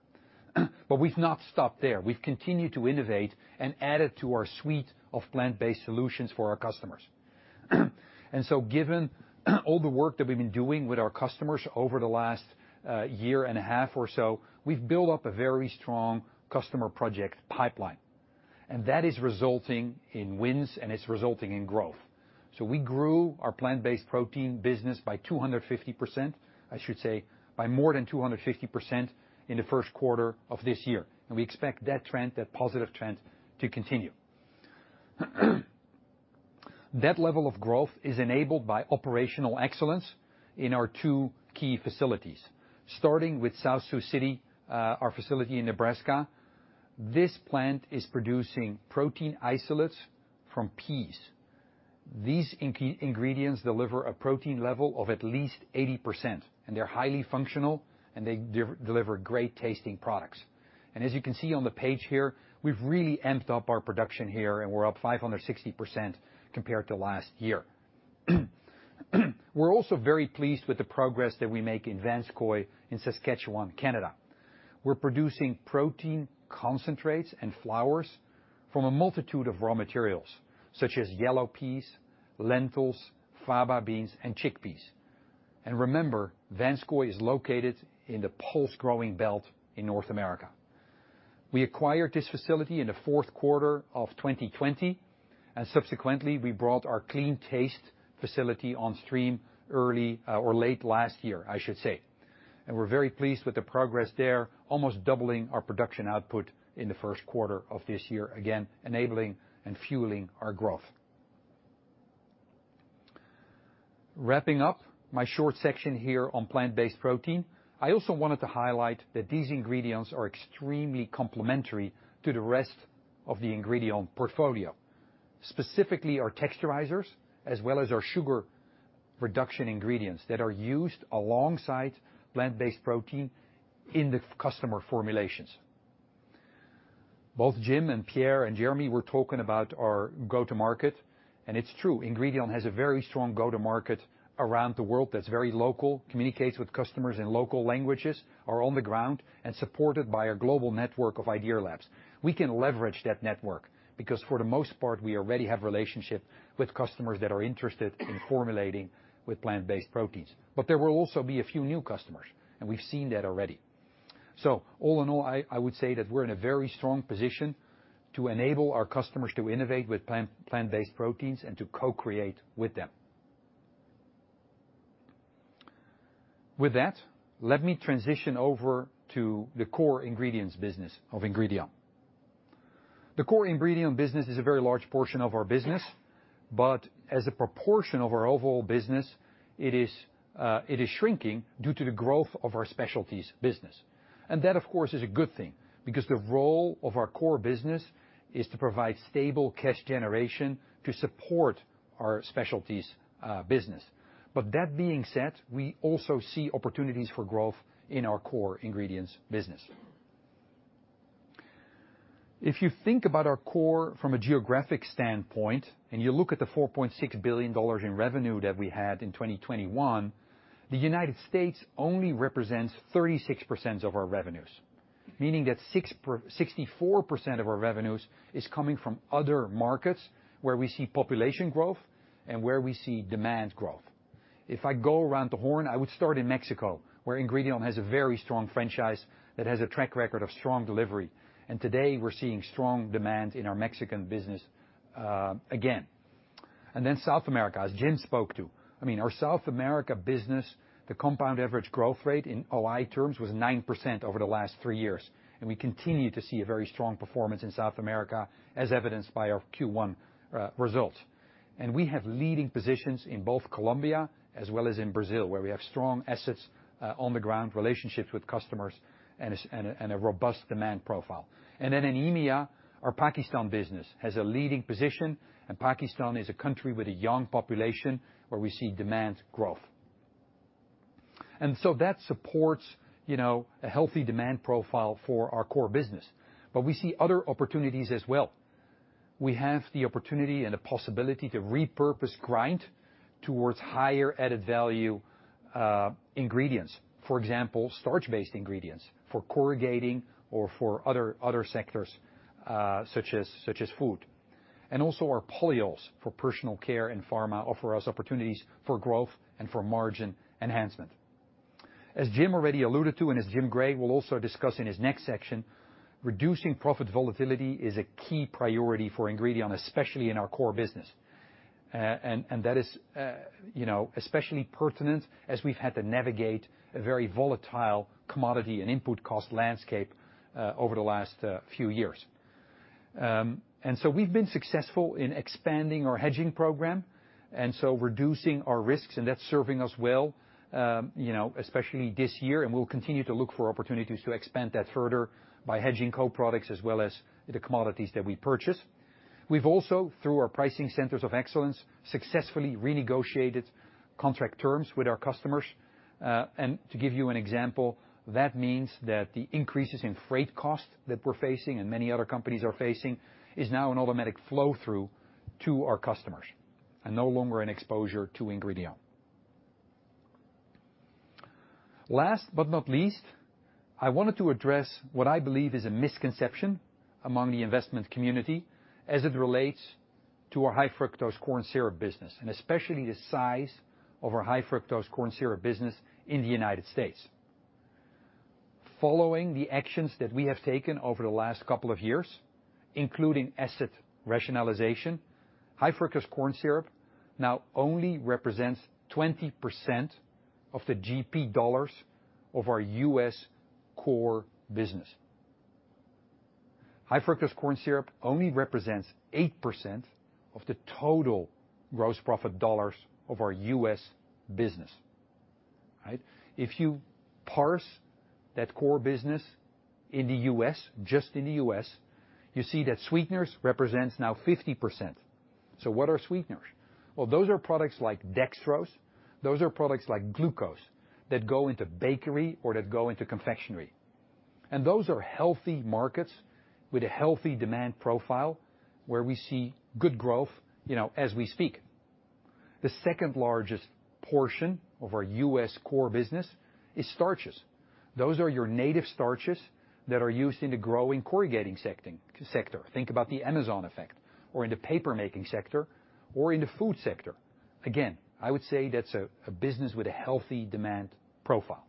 We've not stopped there. We've continued to innovate and added to our suite of plant-based solutions for our customers. Given all the work that we've been doing with our customers over the last year and a half or so, we've built up a very strong customer project pipeline, and that is resulting in wins, and it's resulting in growth. We grew our plant-based protein business by 250%, I should say, by more than 250% in the first quarter of this year. We expect that trend, that positive trend to continue. That level of growth is enabled by operational excellence in our two key facilities, starting with South Sioux City, our facility in Nebraska. This plant is producing protein isolates from peas. These ingredients deliver a protein level of at least 80%, and they're highly functional, and they deliver great-tasting products. As you can see on the page here, we've really amped up our production here, and we're up 560% compared to last year. We're also very pleased with the progress that we make in Vanscoy in Saskatchewan, Canada. We're producing protein concentrates and flours from a multitude of raw materials, such as yellow peas, lentils, faba beans, and chickpeas. Remember, Vanscoy is located in the pulse-growing belt in North America. We acquired this facility in the fourth quarter of 2020, and subsequently, we brought our clean taste facility on stream early, or late last year, I should say. We're very pleased with the progress there, almost doubling our production output in the first quarter of this year, again, enabling and fueling our growth. Wrapping up my short section here on plant-based protein, I also wanted to highlight that these ingredients are extremely complementary to the rest of the Ingredion portfolio, specifically our texturizers as well as our sugar reduction ingredients that are used alongside plant-based protein in the customer formulations. Both Jim and Pierre and Jeremy were talking about our go-to-market, and it's true, Ingredion has a very strong go-to-market around the world that's very local, communicates with customers in local languages, are on the ground and supported by our global network of idea labs. We can leverage that network because for the most part, we already have relationship with customers that are interested in formulating with plant-based proteins. There will also be a few new customers, and we've seen that already. All in all, I would say that we're in a very strong position to enable our customers to innovate with plant-based proteins and to co-create with them. With that, let me transition over to the core ingredients business of Ingredion. The core Ingredion business is a very large portion of our business, but as a proportion of our overall business, it is shrinking due to the growth of our specialties business. That, of course, is a good thing because the role of our core business is to provide stable cash generation to support our specialties business. That being said, we also see opportunities for growth in our core ingredients business. If you think about our core from a geographic standpoint, and you look at the $4.6 billion in revenue that we had in 2021, the United States only represents 36% of our revenues, meaning that 64% of our revenues is coming from other markets where we see population growth and where we see demand growth. If I go around the horn, I would start in Mexico, where Ingredion has a very strong franchise that has a track record of strong delivery. Today, we're seeing strong demand in our Mexican business, again. South America, as Jim spoke to. I mean, our South America business, the compound average growth rate in OI terms was 9% over the last three years, and we continue to see a very strong performance in South America as evidenced by our Q1 results. We have leading positions in both Colombia as well as in Brazil, where we have strong assets on the ground, relationships with customers and a robust demand profile. In EMEA, our Pakistan business has a leading position, and Pakistan is a country with a young population where we see demand growth. That supports a healthy demand profile for our core business. We see other opportunities as well. We have the opportunity and a possibility to repurpose grind towards higher added value ingredients. For example, starch-based ingredients for corrugating or for other sectors such as food. Our polyols for personal care and pharma offer us opportunities for growth and for margin enhancement. As Jim already alluded to, and as Jim Gray will also discuss in his next section, reducing profit volatility is a key priority for Ingredion, especially in our core business. That is you know, especially pertinent as we've had to navigate a very volatile commodity and input cost landscape over the last few years. We've been successful in expanding our hedging program, and so reducing our risks, and that's serving us well, you know, especially this year, and we'll continue to look for opportunities to expand that further by hedging co-products as well as the commodities that we purchase. We've also, through our pricing centers of excellence, successfully renegotiated contract terms with our customers. To give you an example, that means that the increases in freight costs that we're facing and many other companies are facing is now an automatic flow-through to our customers and no longer an exposure to Ingredion. Last but not least, I wanted to address what I believe is a misconception among the investment community as it relates to our high-fructose corn syrup business, and especially the size of our high-fructose corn syrup business in the United States. Following the actions that we have taken over the last couple of years, including asset rationalization, high-fructose corn syrup now only represents 20% of the GP dollars of our U.S. core business. High-fructose corn syrup only represents 8% of the total gross profit dollars of our U.S. business, right? If you parse that core business in the U.S., just in the U.S., you see that sweeteners represents now 50%. What are sweeteners? Well, those are products like dextrose. Those are products like glucose that go into bakery or that go into confectionery. Those are healthy markets with a healthy demand profile where we see good growth, you know, as we speak. The second largest portion of our U.S. core business is starches. Those are your native starches that are used in the growing corrugating sector. Think about the Amazon effect or in the paper making sector or in the food sector. Again, I would say that's a business with a healthy demand profile.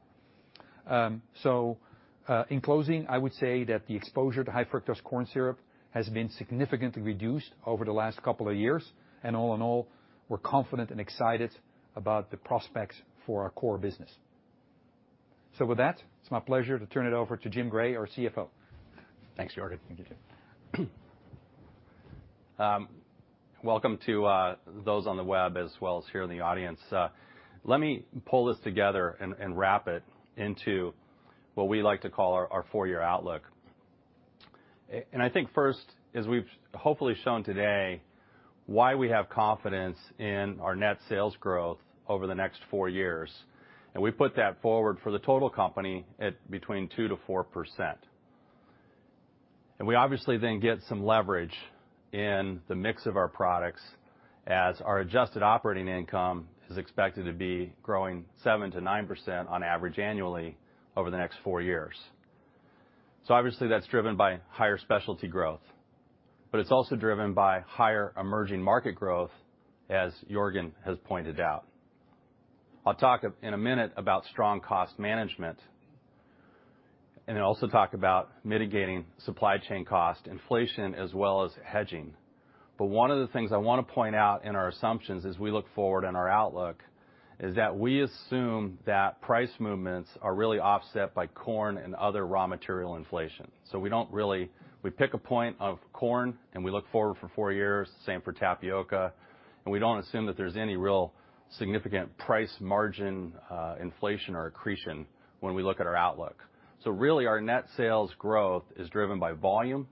In closing, I would say that the exposure to high-fructose corn syrup has been significantly reduced over the last couple of years. All in all, we're confident and excited about the prospects for our core business. With that, it's my pleasure to turn it over to Jim Gray, our CFO. Thanks, Jorgen. Thank you, Jim. Welcome to those on the web as well as here in the audience. Let me pull this together and wrap it into what we like to call our four-year outlook. I think first, as we've hopefully shown today, why we have confidence in our net sales growth over the next four years, and we put that forward for the total company at between 2%-4%. We obviously then get some leverage in the mix of our products as our adjusted operating income is expected to be growing 7%-9% on average annually over the next four years. Obviously, that's driven by higher specialty growth, but it's also driven by higher emerging market growth, as Jorgen has pointed out. I'll talk in a minute about strong cost management, and then also talk about mitigating supply chain cost inflation as well as hedging. One of the things I want to point out in our assumptions as we look forward in our outlook is that we assume that price movements are really offset by corn and other raw material inflation. We don't really pick a point of corn, and we look forward for four years, same for tapioca, and we don't assume that there's any real significant price margin inflation or accretion when we look at our outlook. Really, our net sales growth is driven by volume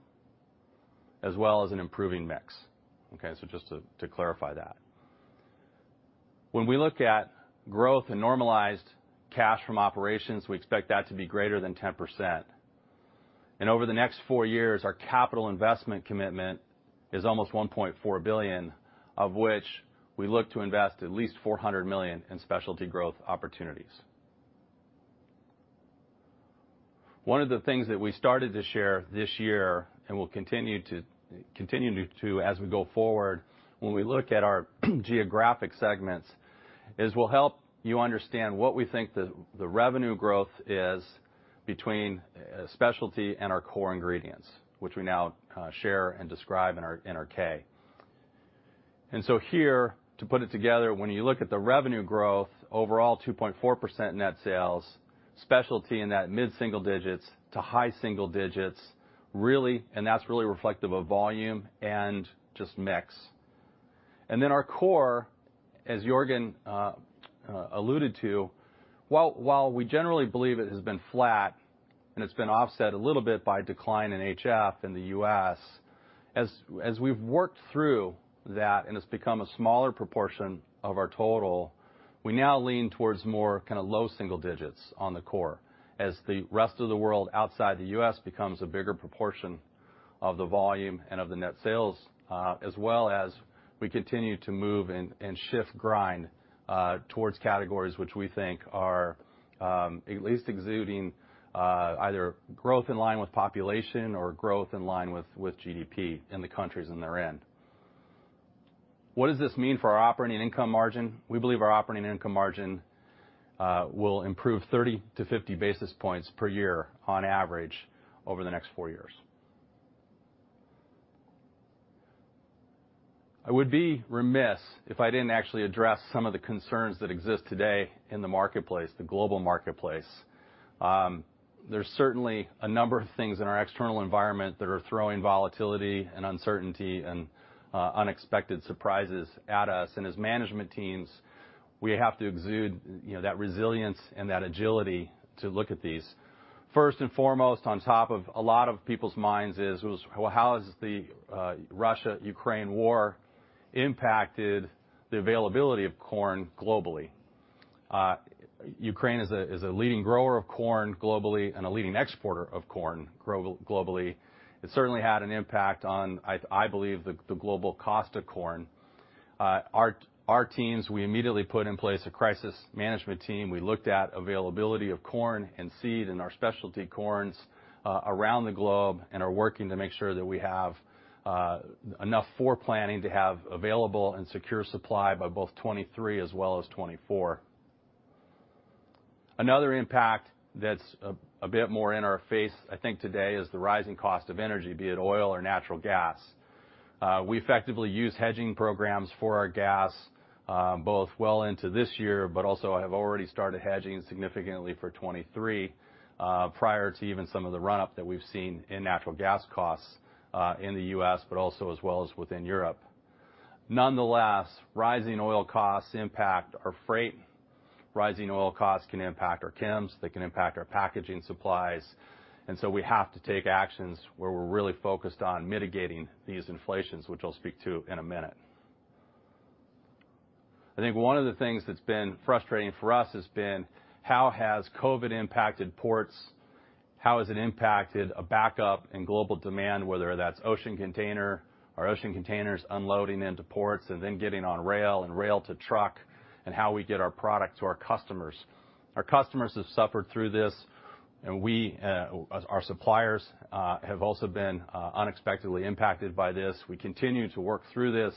as well as an improving mix, okay? Just to clarify that. When we look at growth and normalized cash from operations, we expect that to be greater than 10%. Over the next four years, our capital investment commitment is almost $1.4 billion, of which we look to invest at least $400 million in specialty growth opportunities. One of the things that we started to share this year, and we'll continue to as we go forward when we look at our geographic segments, is we'll help you understand what we think the revenue growth is between specialty and our core ingredients, which we now share and describe in our 10-K. To put it together, when you look at the revenue growth, overall 2.4% net sales, specialty in that mid-single digits to high single digits, really, and that's really reflective of volume and just mix. Our core, as Jorgen alluded to, while we generally believe it has been flat and it's been offset a little bit by decline in HFCS in the U.S., as we've worked through that, and it's become a smaller proportion of our total, we now lean towards more kinda low single digits on the core as the rest of the world outside the U.S. becomes a bigger proportion of the volume and of the net sales, as well as we continue to move and shift grind towards categories which we think are at least exceeding either growth in line with population or growth in line with GDP in the countries in their end. What does this mean for our operating income margin? We believe our operating income margin will improve 30-50 basis points per year on average over the next four years. I would be remiss if I didn't actually address some of the concerns that exist today in the marketplace, the global marketplace. There's certainly a number of things in our external environment that are throwing volatility and uncertainty and unexpected surprises at us. As management teams, we have to exude, you know, that resilience and that agility to look at these. First and foremost, on top of a lot of people's minds is, well, how has the Russia-Ukraine war impacted the availability of corn globally? Ukraine is a leading grower of corn globally and a leading exporter of corn globally. It certainly had an impact on, I believe, the global cost of corn. Our teams, we immediately put in place a crisis management team. We looked at availability of corn and seed and our specialty corns around the globe and are working to make sure that we have enough forward planning to have available and secure supply by both 2023 as well as 2024. Another impact that's a bit more in our face, I think today, is the rising cost of energy, be it oil or natural gas. We effectively use hedging programs for our gas both well into this year, but also have already started hedging significantly for 2023 prior to even some of the run-up that we've seen in natural gas costs in the U.S., but also as well as within Europe. Nonetheless, rising oil costs impact our freight. Rising oil costs can impact our chems. They can impact our packaging supplies, and so we have to take actions where we're really focused on mitigating these inflations, which I'll speak to in a minute. I think one of the things that's been frustrating for us has been how COVID has impacted ports. How has it impacted a backup in global demand, whether that's ocean container or ocean containers unloading into ports and then getting on rail and rail to truck, and how we get our product to our customers? Our customers have suffered through this, and our suppliers have also been unexpectedly impacted by this. We continue to work through this.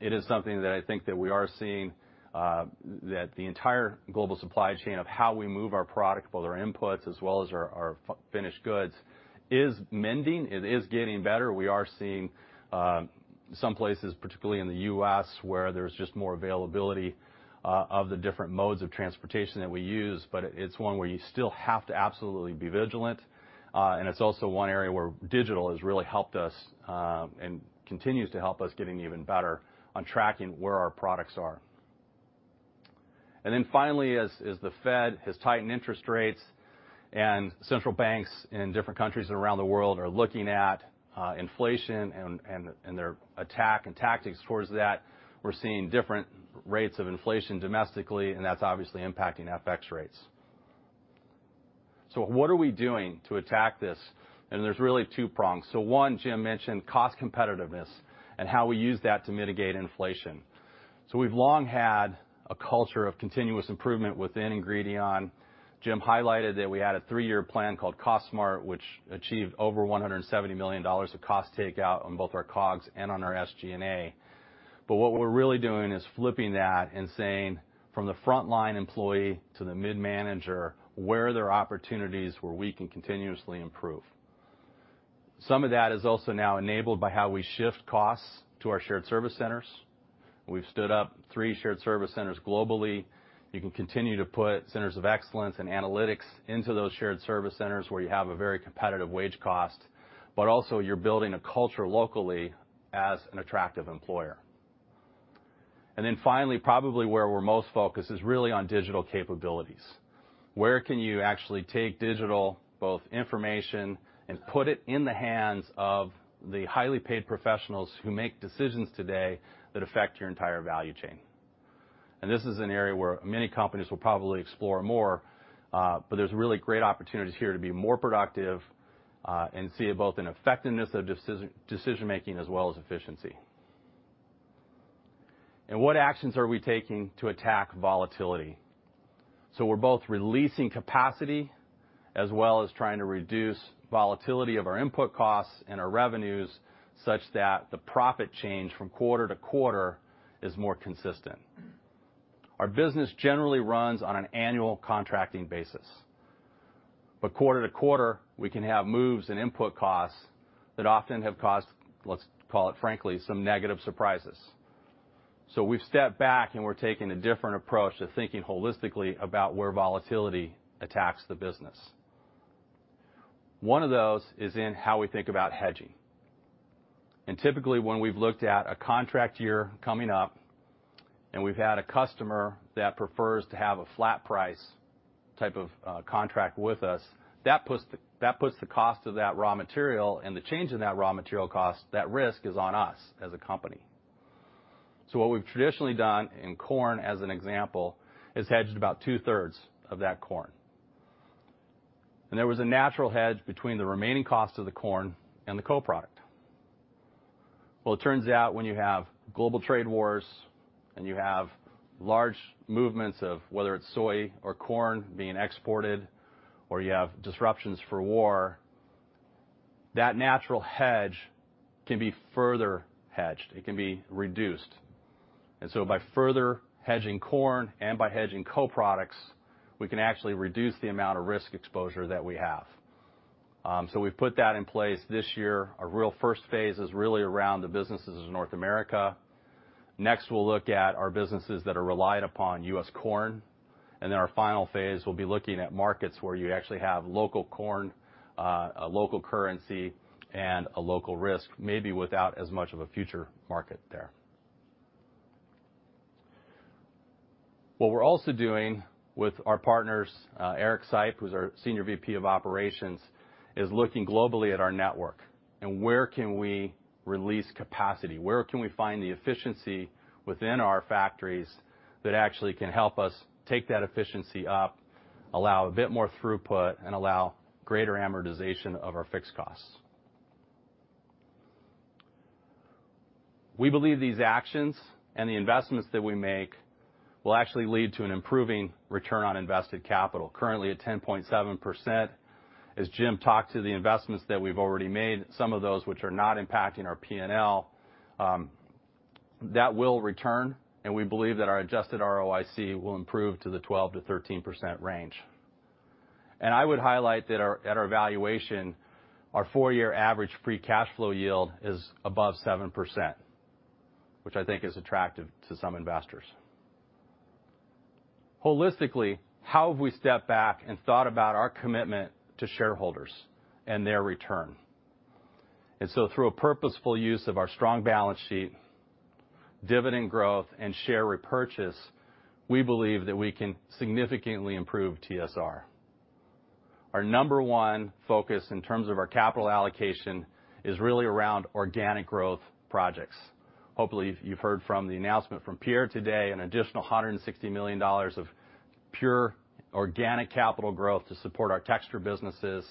It is something that I think that we are seeing that the entire global supply chain of how we move our product, both our inputs as well as our finished goods, is mending. It is getting better. We are seeing some places, particularly in the U.S., where there's just more availability of the different modes of transportation that we use, but it's one where you still have to absolutely be vigilant. It's also one area where digital has really helped us and continues to help us getting even better on tracking where our products are. Then finally, as the Fed has tightened interest rates and central banks in different countries around the world are looking at inflation and their actions and tactics towards that, we're seeing different rates of inflation domestically, and that's obviously impacting FX rates. What are we doing to attack this? There's really two prongs. One, Jim mentioned cost competitiveness and how we use that to mitigate inflation. We've long had a culture of continuous improvement within Ingredion. Jim highlighted that we had a three-year plan called Cost Smart, which achieved over $170 million of cost takeout on both our COGS and on our SG&A. What we're really doing is flipping that and saying, from the frontline employee to the mid-manager, where are there opportunities where we can continuously improve? Some of that is also now enabled by how we shift costs to our shared service centers. We've stood up three shared service centers globally. You can continue to put centers of excellence and analytics into those shared service centers where you have a very competitive wage cost, but also you're building a culture locally as an attractive employer. Finally, probably where we're most focused is really on digital capabilities. Where can you actually take digital, both information, and put it in the hands of the highly paid professionals who make decisions today that affect your entire value chain? This is an area where many companies will probably explore more, but there's really great opportunities here to be more productive, and see both an effectiveness of decision making as well as efficiency. What actions are we taking to attack volatility? We're both releasing capacity as well as trying to reduce volatility of our input costs and our revenues such that the profit change from quarter to quarter is more consistent. Our business generally runs on an annual contracting basis. Quarter to quarter, we can have moves in input costs that often have caused, let's call it frankly, some negative surprises. We've stepped back, and we're taking a different approach to thinking holistically about where volatility attacks the business. One of those is in how we think about hedging. Typically, when we've looked at a contract year coming up and we've had a customer that prefers to have a flat price type of contract with us, that puts the cost of that raw material and the change in that raw material cost, that risk is on us as a company. What we've traditionally done in corn, as an example, is hedged about two-thirds of that corn. There was a natural hedge between the remaining cost of the corn and the co-product. It turns out when you have global trade wars and you have large movements of whether it's soy or corn being exported, or you have disruptions for war. That natural hedge can be further hedged, it can be reduced. By further hedging corn and by hedging co-products, we can actually reduce the amount of risk exposure that we have. We've put that in place this year. Our real first phase is really around the businesses in North America. Next, we'll look at our businesses that rely upon U.S. corn. Our final phase, we'll be looking at markets where you actually have local corn, a local currency, and a local risk, maybe without as much of a future market there. What we're also doing with our partners, Eric Seip, who's our Senior VP of Operations, is looking globally at our network and where can we release capacity? Where can we find the efficiency within our factories that actually can help us take that efficiency up, allow a bit more throughput, and allow greater amortization of our fixed costs? We believe these actions and the investments that we make will actually lead to an improving return on invested capital, currently at 10.7%. As Jim talked to the investments that we've already made, some of those which are not impacting our P&L, that will return, and we believe that our adjusted ROIC will improve to the 12%-13% range. I would highlight that at our valuation, our four-year average free cash flow yield is above 7%, which I think is attractive to some investors. Holistically, how have we stepped back and thought about our commitment to shareholders and their return? Through a purposeful use of our strong balance sheet, dividend growth, and share repurchase, we believe that we can significantly improve TSR. Our number one focus in terms of our capital allocation is really around organic growth projects. Hopefully, you've heard from the announcement from Pierre today, an additional $160 million of pure organic capital growth to support our texture businesses.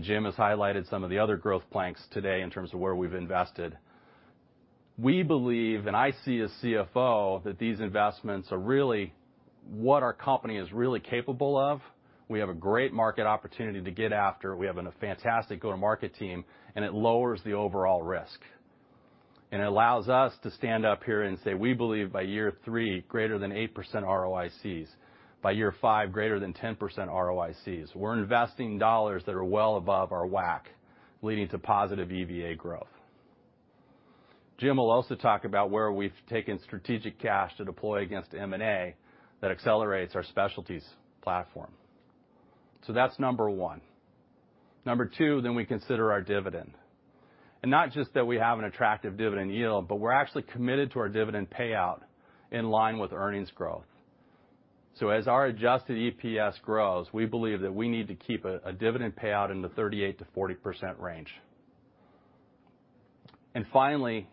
Jim has highlighted some of the other growth planks today in terms of where we've invested. We believe, and I see as CFO, that these investments are really what our company is really capable of. We have a great market opportunity to get after, we have a fantastic go-to-market team, and it lowers the overall risk. It allows us to stand up here and say, we believe by year three, greater than 8% ROICs. By year five, greater than 10% ROICs. We're investing dollars that are well above our WACC, leading to positive EVA growth. Jim will also talk about where we've taken strategic cash to deploy against M&A that accelerates our specialties platform. That's number one. Number two, then we consider our dividend. Not just that we have an attractive dividend yield, but we're actually committed to our dividend payout in line with earnings growth. As our adjusted EPS grows, we believe that we need to keep a dividend payout in the 38%-40% range. Finally,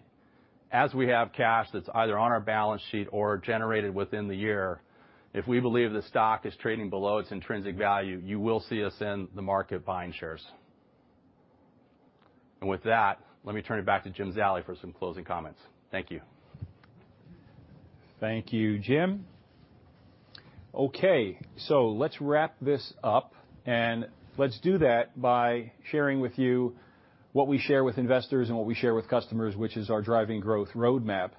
as we have cash that's either on our balance sheet or generated within the year, if we believe the stock is trading below its intrinsic value, you will see us in the market buying shares. With that, let me turn it back to Jim Zallie for some closing comments. Thank you. Thank you, Jim. Okay, let's wrap this up, and let's do that by sharing with you what we share with investors and what we share with customers, which is our driving growth roadmap.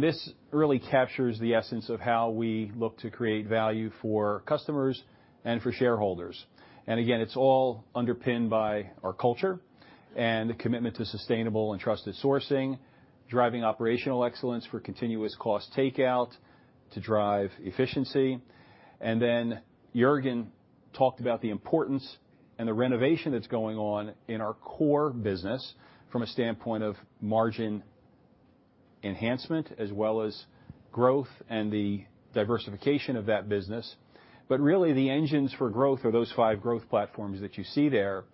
This really captures the essence of how we look to create value for customers and for shareholders. Again, it's all underpinned by our culture and the commitment to sustainable and trusted sourcing, driving operational excellence for continuous cost takeout to drive efficiency. Then Jorgen talked about the importance and the renovation that's going on in our core business from a standpoint of margin enhancement as well as growth and the diversification of that business. Really, the engines for growth are those five growth platforms that you see there.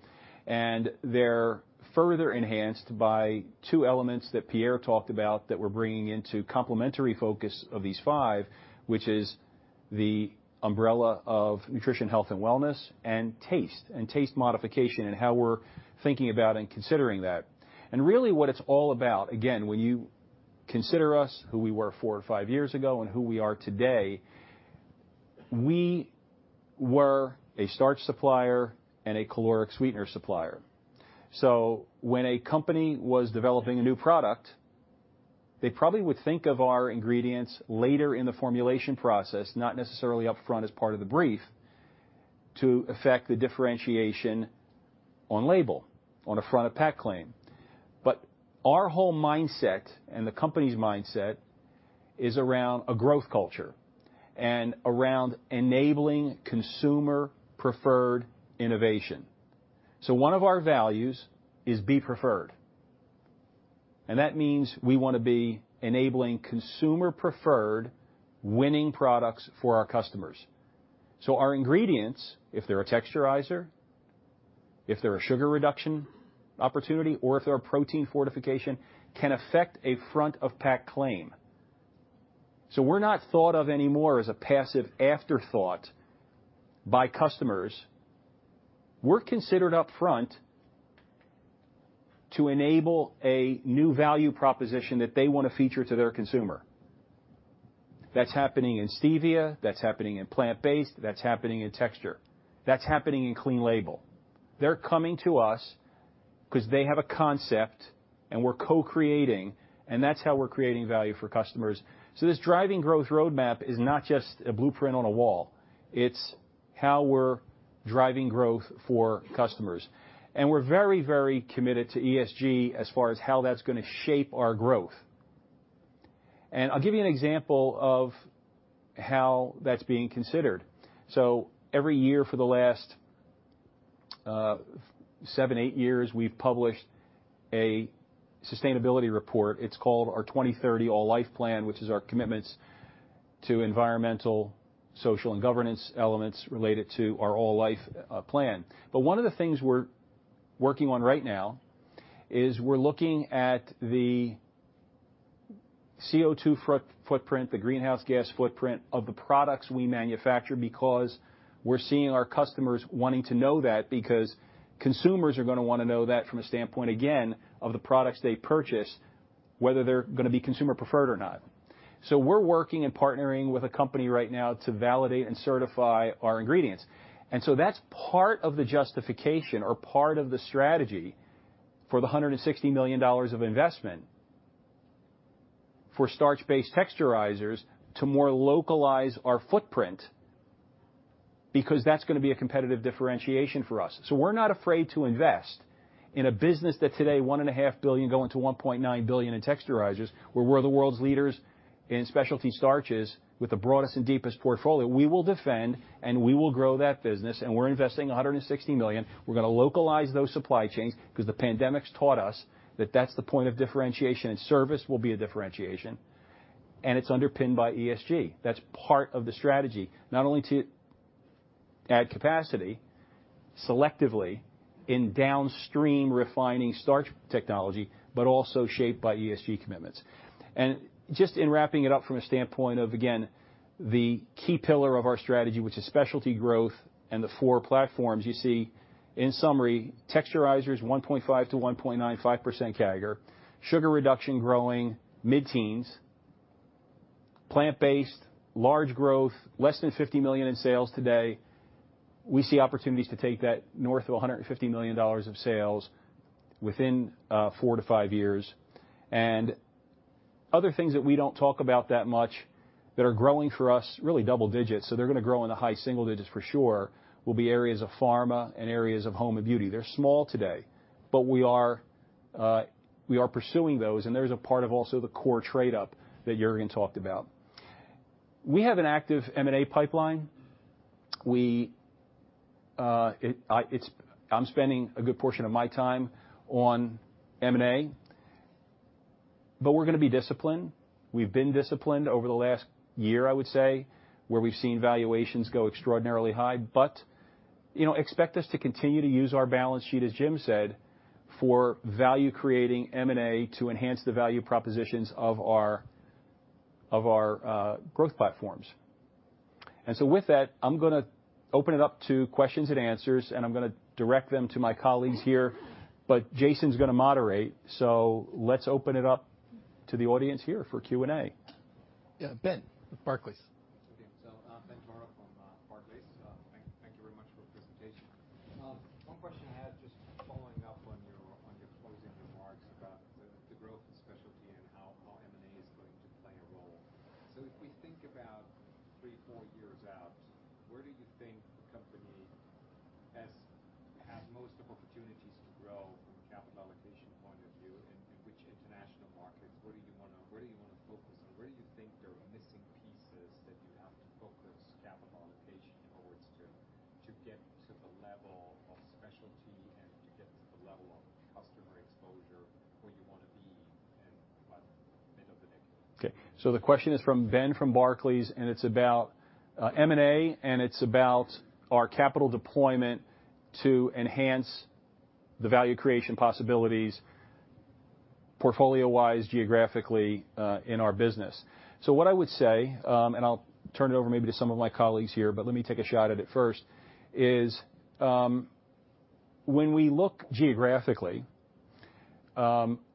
They're further enhanced by two elements that Pierre talked about that we're bringing into complementary focus of these five, which is the umbrella of nutrition, health, and wellness, and taste, and taste modification, and how we're thinking about and considering that. Really what it's all about, again, when you consider us, who we were 4-5 years ago and who we are today, we were a starch supplier and a caloric sweetener supplier. When a company was developing a new product, they probably would think of our ingredients later in the formulation process, not necessarily up front as part of the brief, to affect the differentiation on label on a front-of-pack claim. Our whole mindset and the company's mindset is around a growth culture and around enabling consumer preferred innovation. One of our values is be preferred. That means we wanna be enabling consumer preferred winning products for our customers. Our ingredients, if they're a texturizer, if they're a sugar reduction opportunity, or if they're a protein fortification, can affect a front of pack claim. We're not thought of anymore as a passive afterthought by customers. We're considered up front to enable a new value proposition that they wanna feature to their consumer. That's happening in stevia, that's happening in plant-based, that's happening in texture. That's happening in clean label. They're coming to us because they have a concept and we're co-creating, and that's how we're creating value for customers. This driving growth roadmap is not just a blueprint on a wall. It's how we're driving growth for customers. We're very, very committed to ESG as far as how that's gonna shape our growth. I'll give you an example of how that's being considered. Every year for the last seven, eight years, we've published a sustainability report. It's called our 2030 All-Life Plan, which is our commitments to environmental, social, and governance elements related to our All Life Plan. One of the things we're working on right now is we're looking at the CO2 footprint, the greenhouse gas footprint of the products we manufacture because we're seeing our customers wanting to know that because consumers are gonna wanna know that from a standpoint, again, of the products they purchase, whether they're gonna be consumer preferred or not. We're working and partnering with a company right now to validate and certify our ingredients. That's part of the justification or part of the strategy for the $160 million of investment for starch-based texturizers to more localize our footprint because that's gonna be a competitive differentiation for us. We're not afraid to invest in a business that today $1.5 billion going to $1.9 billion in texturizers, where we're the world's leaders in specialty starches with the broadest and deepest portfolio. We will defend, and we will grow that business, and we're investing $160 million. We're gonna localize those supply chains because the pandemic's taught us that that's the point of differentiation, and service will be a differentiation, and it's underpinned by ESG. That's part of the strategy, not only to add capacity selectively in downstream refining starch technology but also shaped by ESG commitments. Just in wrapping it up from a standpoint of, again, the key pillar of our strategy, which is specialty growth and the four platforms you see in summary, texturizers 1.5%-1.95% CAGR, sugar reduction growing mid-teens, plant-based large growth, less than $50 million in sales today. We see opportunities to take that north of $150 million of sales within 4-5 years. Other things that we don't talk about that much that are growing for us really double digits, so they're gonna grow in the high single digits for sure, will be areas of pharma and areas of home and beauty. They're small today, but we are pursuing those, and there's a part of also the core trade up that Jorgen talked about. We have an active M&A pipeline. I'm spending a good portion of my time on M&A, but we're gonna be disciplined. We've been disciplined over the last year, I would say, where we've seen valuations go extraordinarily high. You know, expect us to continue to use our balance sheet, as Jim said, for value creating M&A to enhance the value propositions of our growth platforms. With that, I'm gonna open it up to questions and answers, and I'm gonna direct them to my colleagues here, but Jason's gonna moderate. Let's open it up to the audience here for Q&A. Yeah, Ben with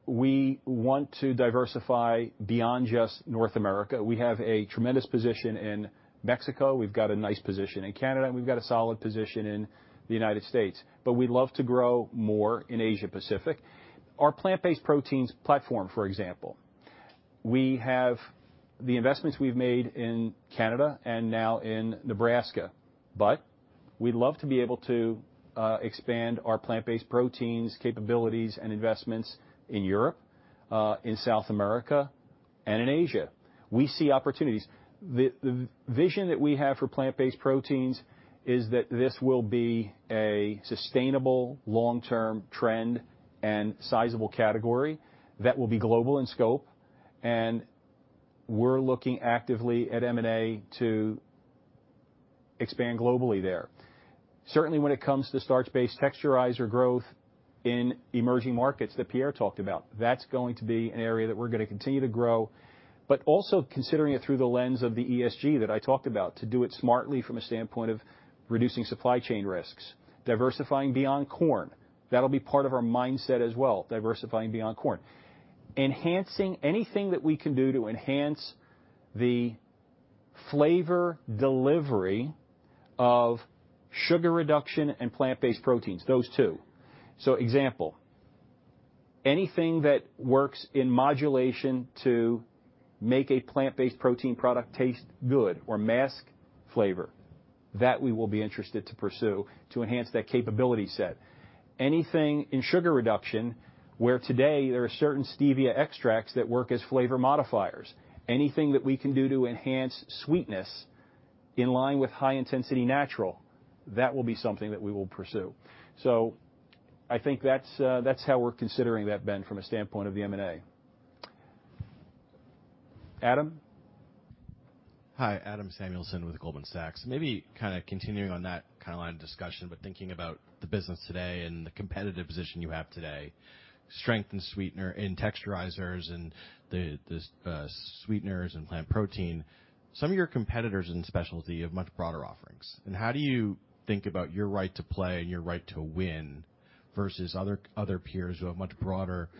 we want to diversify beyond just North America. We have a tremendous position in Mexico. We've got a nice position in Canada, and we've got a solid position in the United States. We'd love to grow more in Asia-Pacific. Our plant-based proteins platform, for example, we have the investments we've made in Canada and now in Nebraska, but we'd love to be able to expand our plant-based proteins capabilities and investments in Europe, in South America, and in Asia. We see opportunities. The vision that we have for plant-based proteins is that this will be a sustainable long-term trend and sizable category that will be global in scope, and we're looking actively at M&A to expand globally there. Certainly, when it comes to starch-based texturizer growth in emerging markets that Pierre talked about, that's going to be an area that we're gonna continue to grow. Also considering it through the lens of the ESG that I talked about, to do it smartly from a standpoint of reducing supply chain risks, diversifying beyond corn. That'll be part of our mindset as well, diversifying beyond corn. Enhancing anything that we can do to enhance the flavor delivery of sugar reduction and plant-based proteins, those two. Example, anything that works in modulation to make a plant-based protein product taste good or mask flavor, that we will be interested to pursue to enhance that capability set. Anything in sugar reduction, where today there are certain stevia extracts that work as flavor modifiers. Anything that we can do to enhance sweetness in line with high intensity natural, that will be something that we will pursue. I think that's how we're considering that, Ben, from a standpoint of the M&A. Adam? Hi, Adam Samuelson with Goldman Sachs. Maybe kinda continuing on that kinda line of discussion, but thinking about the business today and the competitive position you have today, strength in sweeteners and texturizers and the sweeteners and plant protein. Some of your competitors in specialty have much broader offerings. How do you think about your right to play and your right to win versus other peers who have much broader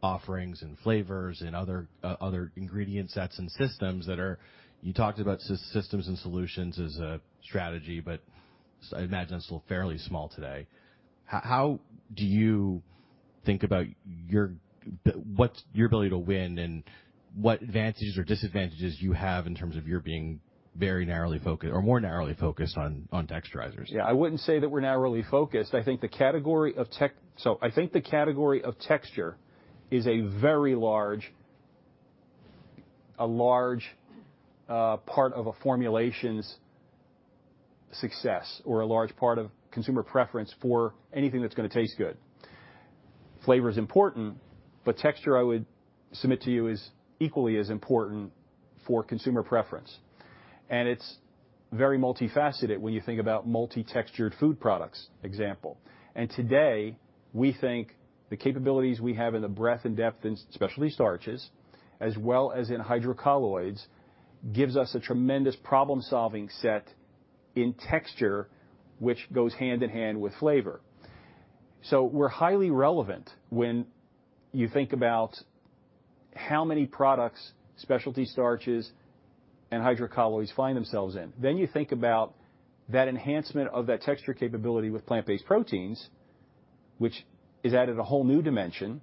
offerings and flavors and other ingredient sets and systems that are. You talked about systems and solutions as a strategy, but I imagine it's still fairly small today. How do you think about your what's your ability to win and what advantages or disadvantages you have in terms of your being very narrowly focused or more narrowly focused on texturizers? Yeah. I wouldn't say that we're narrowly focused. I think the category of texture is a very large part of a formulation's success or a large part of consumer preference for anything that's gonna taste good. Flavor is important, but texture, I would submit to you, is equally as important for consumer preference. It's very multifaceted when you think about multi-textured food products. Today, we think the capabilities we have in the breadth and depth in specialty starches, as well as in hydrocolloids, gives us a tremendous problem-solving set in texture, which goes hand-in-hand with flavor. We're highly relevant when you think about how many products specialty starches and hydrocolloids find themselves in. You think about that enhancement of that texture capability with plant-based proteins, which is added a whole new dimension,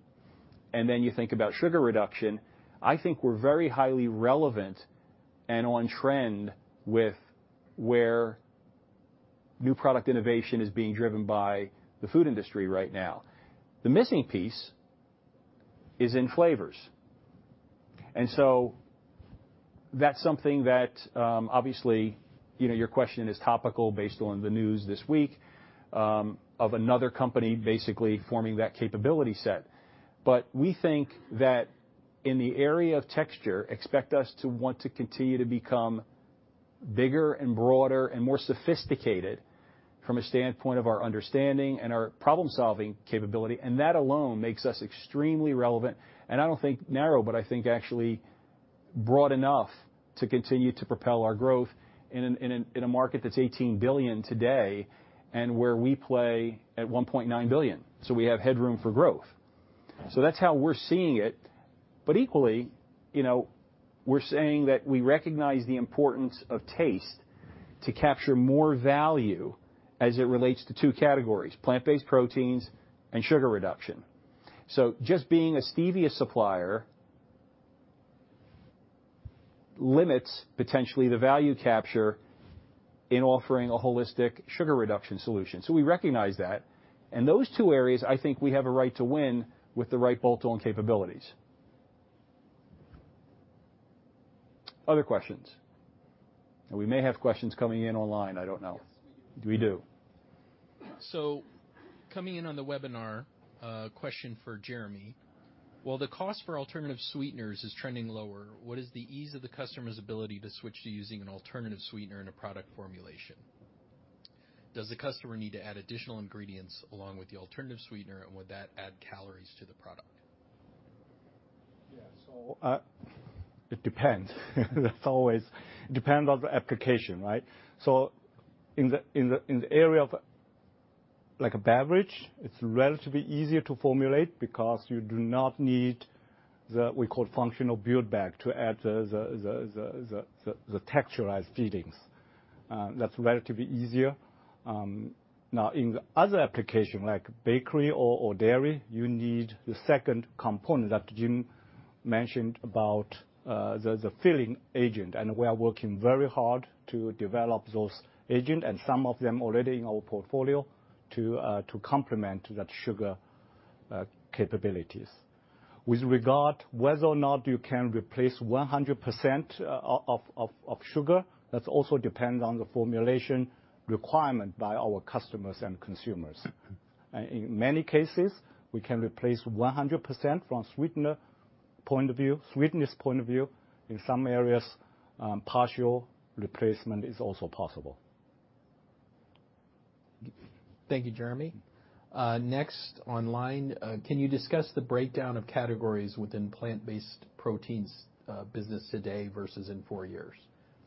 and then you think about sugar reduction. I think we're very highly relevant and on trend with where new product innovation is being driven by the food industry right now. The missing piece is in flavors. That's something that, obviously, you know, your question is topical based on the news this week, of another company basically forming that capability set. We think that in the area of texture, expect us to want to continue to become bigger and broader and more sophisticated from a standpoint of our understanding and our problem-solving capability, and that alone makes us extremely relevant, and I don't think narrow, but I think actually broad enough to continue to propel our growth in a market that's $18 billion today and where we play at $1.9 billion. We have headroom for growth. That's how we're seeing it. Equally, you know, we're saying that we recognize the importance of taste to capture more value as it relates to two categories, plant-based proteins and sugar reduction. Just being a stevia supplier limits potentially the value capture in offering a holistic sugar reduction solution. We recognize that. In those two areas, I think we have a right to win with the right bolt-on capabilities. Other questions? We may have questions coming in online. I don't know. Yes, we do. We do. Coming in on the webinar, question for Jeremy. While the cost for alternative sweeteners is trending lower, what is the ease of the customer's ability to switch to using an alternative sweetener in a product formulation? Does the customer need to add additional ingredients along with the alternative sweetener, and would that add calories to the product? Yeah. It depends. Depends on the application, right? In the area of like a beverage, it's relatively easier to formulate because you do not need what we call functional build-back to add the texturizing fillings. That's relatively easier. Now in the other application like bakery or dairy, you need the second component that Jim mentioned about the filling agent, and we are working very hard to develop those agents and some of them already in our portfolio to complement that sugar capabilities. With regard to whether or not you can replace 100% of sugar, that also depends on the formulation requirement by our customers and consumers. In many cases, we can replace 100% from sweetener point of view, sweetness point of view. In some areas, partial replacement is also possible. Thank you, Jeremy. Next online, can you discuss the breakdown of categories within plant-based proteins business today versus in four years?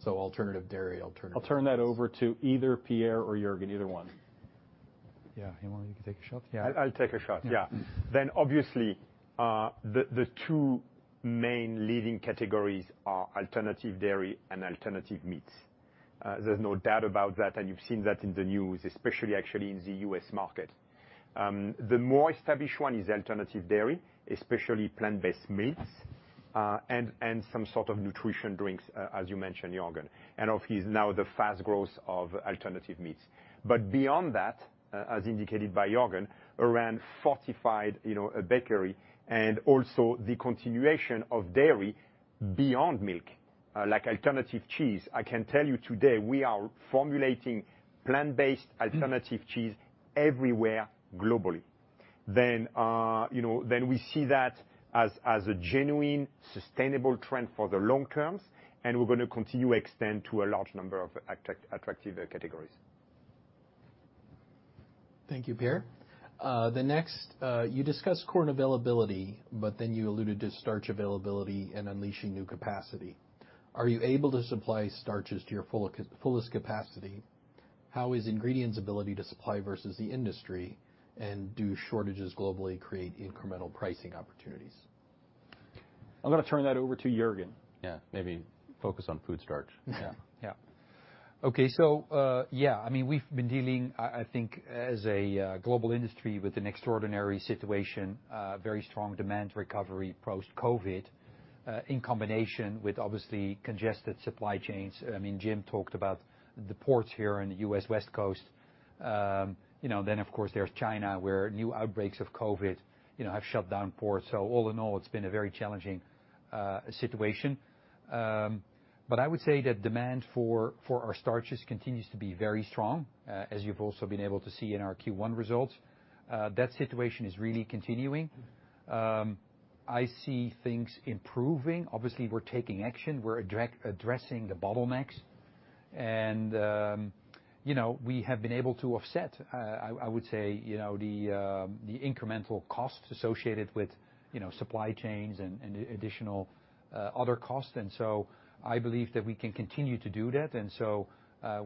Alternative dairy, alternative I'll turn that over to either Pierre or Jorgen, either one. Yeah. You want me to take a shot? Yeah. I'll take a shot. Yeah. Obviously, the two main leading categories are alternative dairy and alternative meats. There's no doubt about that, and you've seen that in the news, especially actually in the U.S. market. The more established one is alternative dairy, especially plant-based meats, and some sort of nutrition drinks, as you mentioned, Jorgen. Obviously now the fast growth of alternative meats. Beyond that, as indicated by Jorgen, around fortified, you know, bakery and also the continuation of dairy beyond milk, like alternative cheese. I can tell you today we are formulating plant-based alternative cheese everywhere globally. You know, then we see that as a genuine, sustainable trend for the long terms, and we're gonna continue to extend to a large number of attractive categories. Thank you, Pierre. The next, you discussed corn availability, but then you alluded to starch availability and unleashing new capacity. Are you able to supply starches to your fullest capacity? How is Ingredion's ability to supply versus the industry? And do shortages globally create incremental pricing opportunities? I'm gonna turn that over to Jorgen. Yeah. Maybe focus on food starch. Yeah. Yeah. Okay, yeah, I mean, we've been dealing, I think as a global industry with an extraordinary situation, very strong demand recovery post-COVID, in combination with obviously congested supply chains. I mean, Jim talked about the ports here in the U.S. West Coast. You know, then of course there's China, where new outbreaks of COVID, you know, have shut down ports. All in all, it's been a very challenging situation. I would say that demand for our starches continues to be very strong, as you've also been able to see in our Q1 results. That situation is really continuing. I see things improving. Obviously, we're taking action. We're addressing the bottlenecks. We have been able to offset, I would say, you know, the incremental costs associated with, you know, supply chains and additional other costs. I believe that we can continue to do that.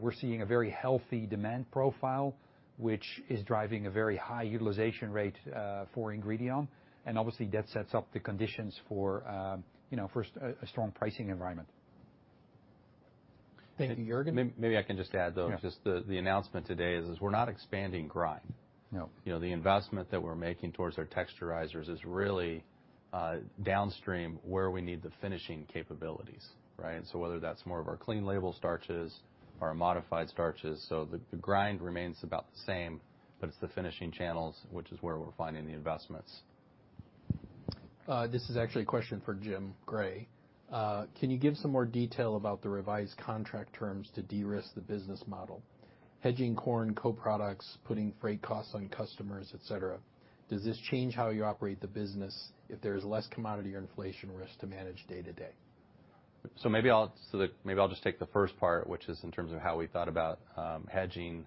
We're seeing a very healthy demand profile, which is driving a very high utilization rate for Ingredion. Obviously that sets up the conditions for, you know, a strong pricing environment. Thank you. Jorgen? Maybe I can just add, though. Yeah. Just the announcement today is we're not expanding grind. No. You know, the investment that we're making towards our texturizers is really, downstream where we need the finishing capabilities, right? Whether that's more of our clean label starches, our modified starches. The grind remains about the same, but it's the finishing channels which is where we're finding the investments. This is actually a question for Jim Gray. Can you give some more detail about the revised contract terms to de-risk the business model? Hedging corn co-products, putting freight costs on customers, et cetera, does this change how you operate the business if there's less commodity or inflation risk to manage day to day? Maybe I'll just take the first part, which is in terms of how we thought about hedging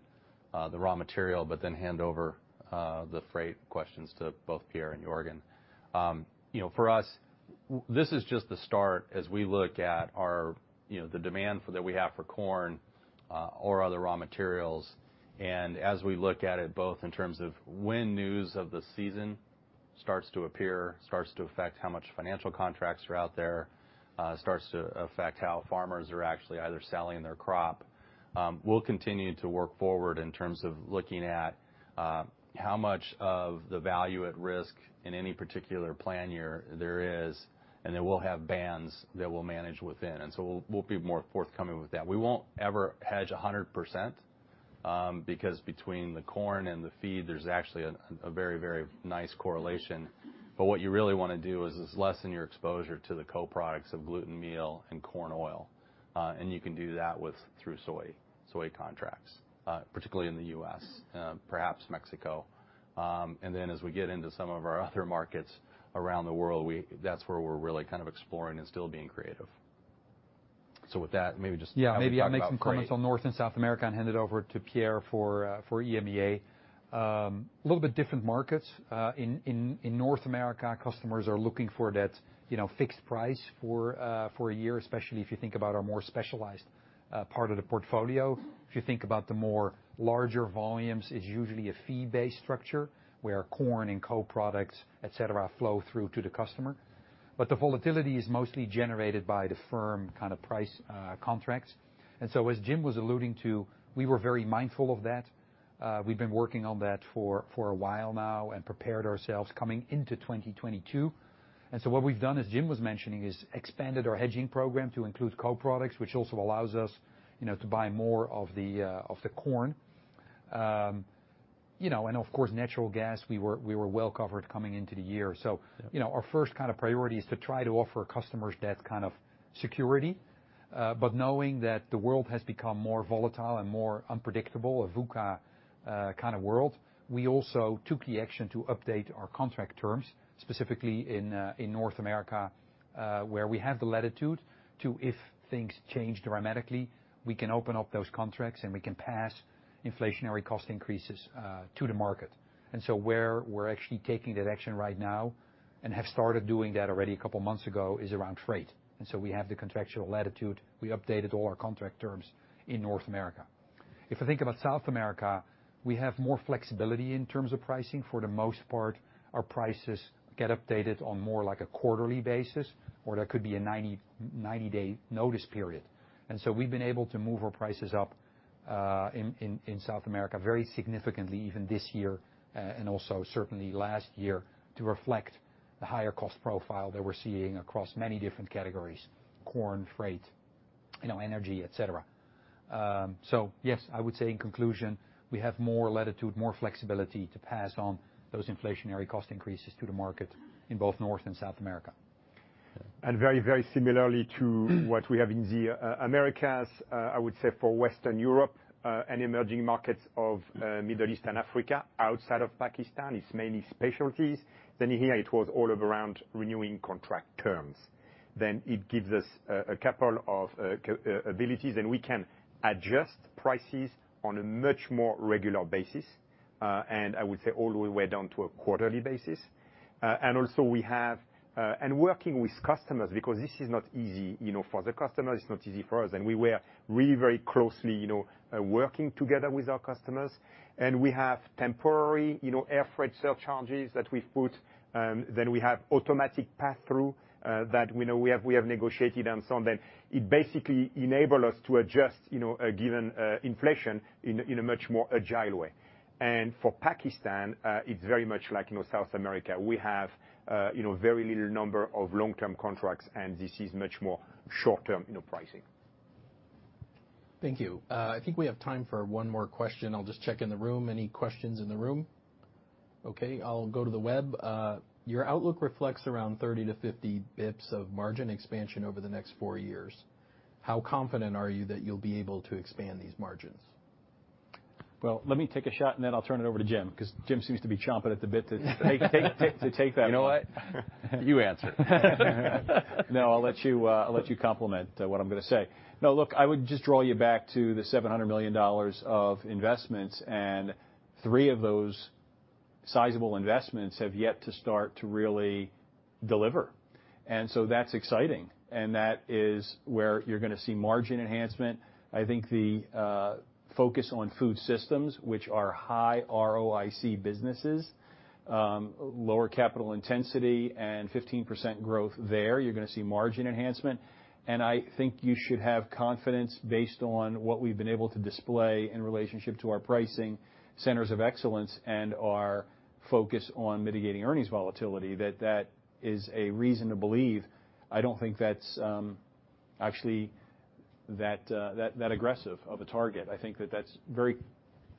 the raw material, but then hand over the freight questions to both Pierre and Jorgen. You know, for us, this is just the start as we look at our, you know, the demand that we have for corn or other raw materials. As we look at it both in terms of when news of the season starts to appear, starts to affect how much financial contracts are out there, starts to affect how farmers are actually either selling their crop, we'll continue to work forward in terms of looking at how much of the value at risk in any particular plan year there is, and then we'll have bands that we'll manage within. We'll be more forthcoming with that. We won't ever hedge 100%, because between the corn and the feed, there's actually a very nice correlation. What you really wanna do is lessen your exposure to the co-products of gluten meal and corn oil. You can do that through soy contracts, particularly in the U.S., perhaps Mexico. Then as we get into some of our other markets around the world, that's where we're really kind of exploring and still being creative. With that, maybe just how we think about freight. Yeah. Maybe I make some comments on North and South America and hand it over to Pierre for EMEA. A little bit different markets. In North America, customers are looking for that, you know, fixed price for a year, especially if you think about our more specialized part of the portfolio. If you think about the more larger volumes, it's usually a fee-based structure where corn and co-products, et cetera, flow through to the customer. But the volatility is mostly generated by the firm kind of price contracts. As Jim was alluding to, we were very mindful of that. We've been working on that for a while now and prepared ourselves coming into 2022. What we've done, as Jim was mentioning, is expanded our hedging program to include co-products, which also allows us, you know, to buy more of the corn. You know, of course, natural gas, we were well covered coming into the year. Yeah You know, our first kind of priority is to try to offer customers that kind of security. Knowing that the world has become more volatile and more unpredictable, a VUCA kind of world, we also took the action to update our contract terms, specifically in North America, where we have the latitude to, if things change dramatically, we can open up those contracts, and we can pass inflationary cost increases to the market. Where we're actually taking that action right now, and have started doing that already a couple months ago, is around freight. We have the contractual latitude; we updated all our contract terms in North America. If you think about South America, we have more flexibility in terms of pricing. For the most part, our prices get updated on more like a quarterly basis, or there could be a 90-day notice period. We've been able to move our prices up in South America very significantly, even this year, and also certainly last year to reflect the higher cost profile that we're seeing across many different categories, corn, freight, you know, energy, et cetera. Yes, I would say in conclusion, we have more latitude, more flexibility to pass on those inflationary cost increases to the market in both North and South America. Very, very similarly to what we have in the Americas, I would say for Western Europe and emerging markets of the Middle East and Africa, outside of Pakistan, it's mainly specialties. Here it was all about renewing contract terms. It gives us a couple of capabilities, and we can adjust prices on a much more regular basis. I would say all the way down to a quarterly basis. Also, we have, working with customers, because this is not easy, you know, for the customer. It's not easy for us, and we were really very closely, you know, working together with our customers. We have temporary, you know, air freight surcharges that we've put. Then we have automatic pass-through that we know, we have negotiated and so on. It basically enable us to adjust, you know, given, inflation in a, in a much more agile way. For Pakistan, it's very much like, you know, South America. We have, you know, very little number of long-term contracts, and this is much more short-term, you know, pricing. Thank you. I think we have time for one more question. I'll just check in the room. Any questions in the room? Okay, I'll go to the web. Your outlook reflects around 30-50 basis points of margin expansion over the next four years. How confident are you that you'll be able to expand these margins? Well, let me take a shot, and then I'll turn it over to Jim, 'cause Jim seems to be chomping at the bit to take that one. You know what? You answer it. No, I'll let you comment what I'm gonna say. No, look, I would just draw you back to the $700 million of investments, and three of those sizable investments have yet to start to really deliver, and so that's exciting. That is where you're gonna see margin enhancement. I think the focus on food systems, which are high ROIC businesses, lower capital intensity and 15% growth there, you're gonna see margin enhancement. I think you should have confidence based on what we've been able to display in relationship to our pricing centers of excellence and our focus on mitigating earnings volatility that that is a reason to believe. I don't think that's actually that aggressive of a target. I think that that's very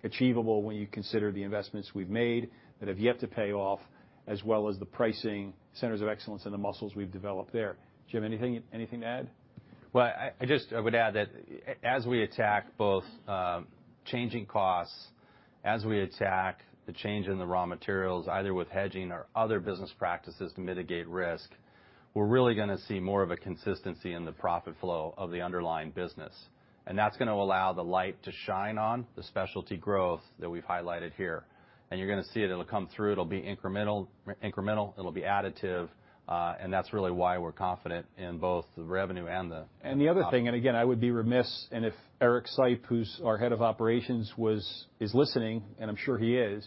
achievable when you consider the investments we've made that have yet to pay off, as well as the pricing centers of excellence and the muscles we've developed there. Jim, anything to add? Well, I would add that as we attack both changing costs, as we attack the change in the raw materials, either with hedging or other business practices to mitigate risk, we're really gonna see more of a consistency in the profit flow of the underlying business. That's gonna allow the light to shine on the specialty growth that we've highlighted here. You're gonna see it. It'll come through, it'll be incremental, it'll be additive, and that's really why we're confident in both the revenue and the profit. I would be remiss, and if Eric Seip, who's our head of operations, is listening, and I'm sure he is,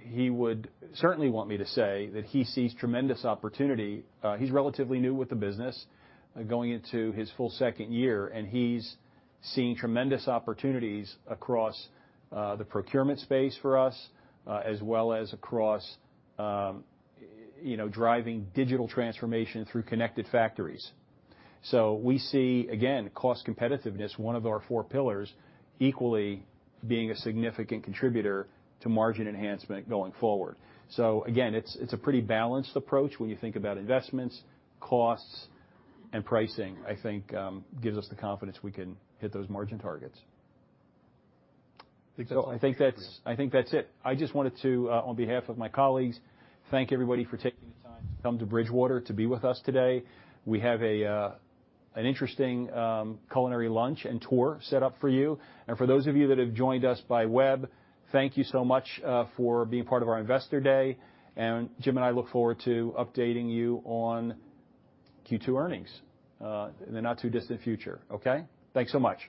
he would certainly want me to say that he sees tremendous opportunity. He's relatively new with the business, going into his full second year, and he's seeing tremendous opportunities across the procurement space for us, as well as across, you know, driving digital transformation through connected factories. We see, again, cost competitiveness, one of our four pillars, equally being a significant contributor to margin enhancement going forward. Again, it's a pretty balanced approach when you think about investments, costs, and pricing. I think gives us the confidence we can hit those margin targets. Think that's all. I think that's it. I just wanted to, on behalf of my colleagues, thank everybody for taking the time to come to Bridgewater to be with us today. We have an interesting culinary lunch and tour set up for you. For those of you that have joined us by web, thank you so much, for being part of our Investor Day. Jim and I look forward to updating you on Q2 earnings, in the not too distant future. Okay. Thanks so much.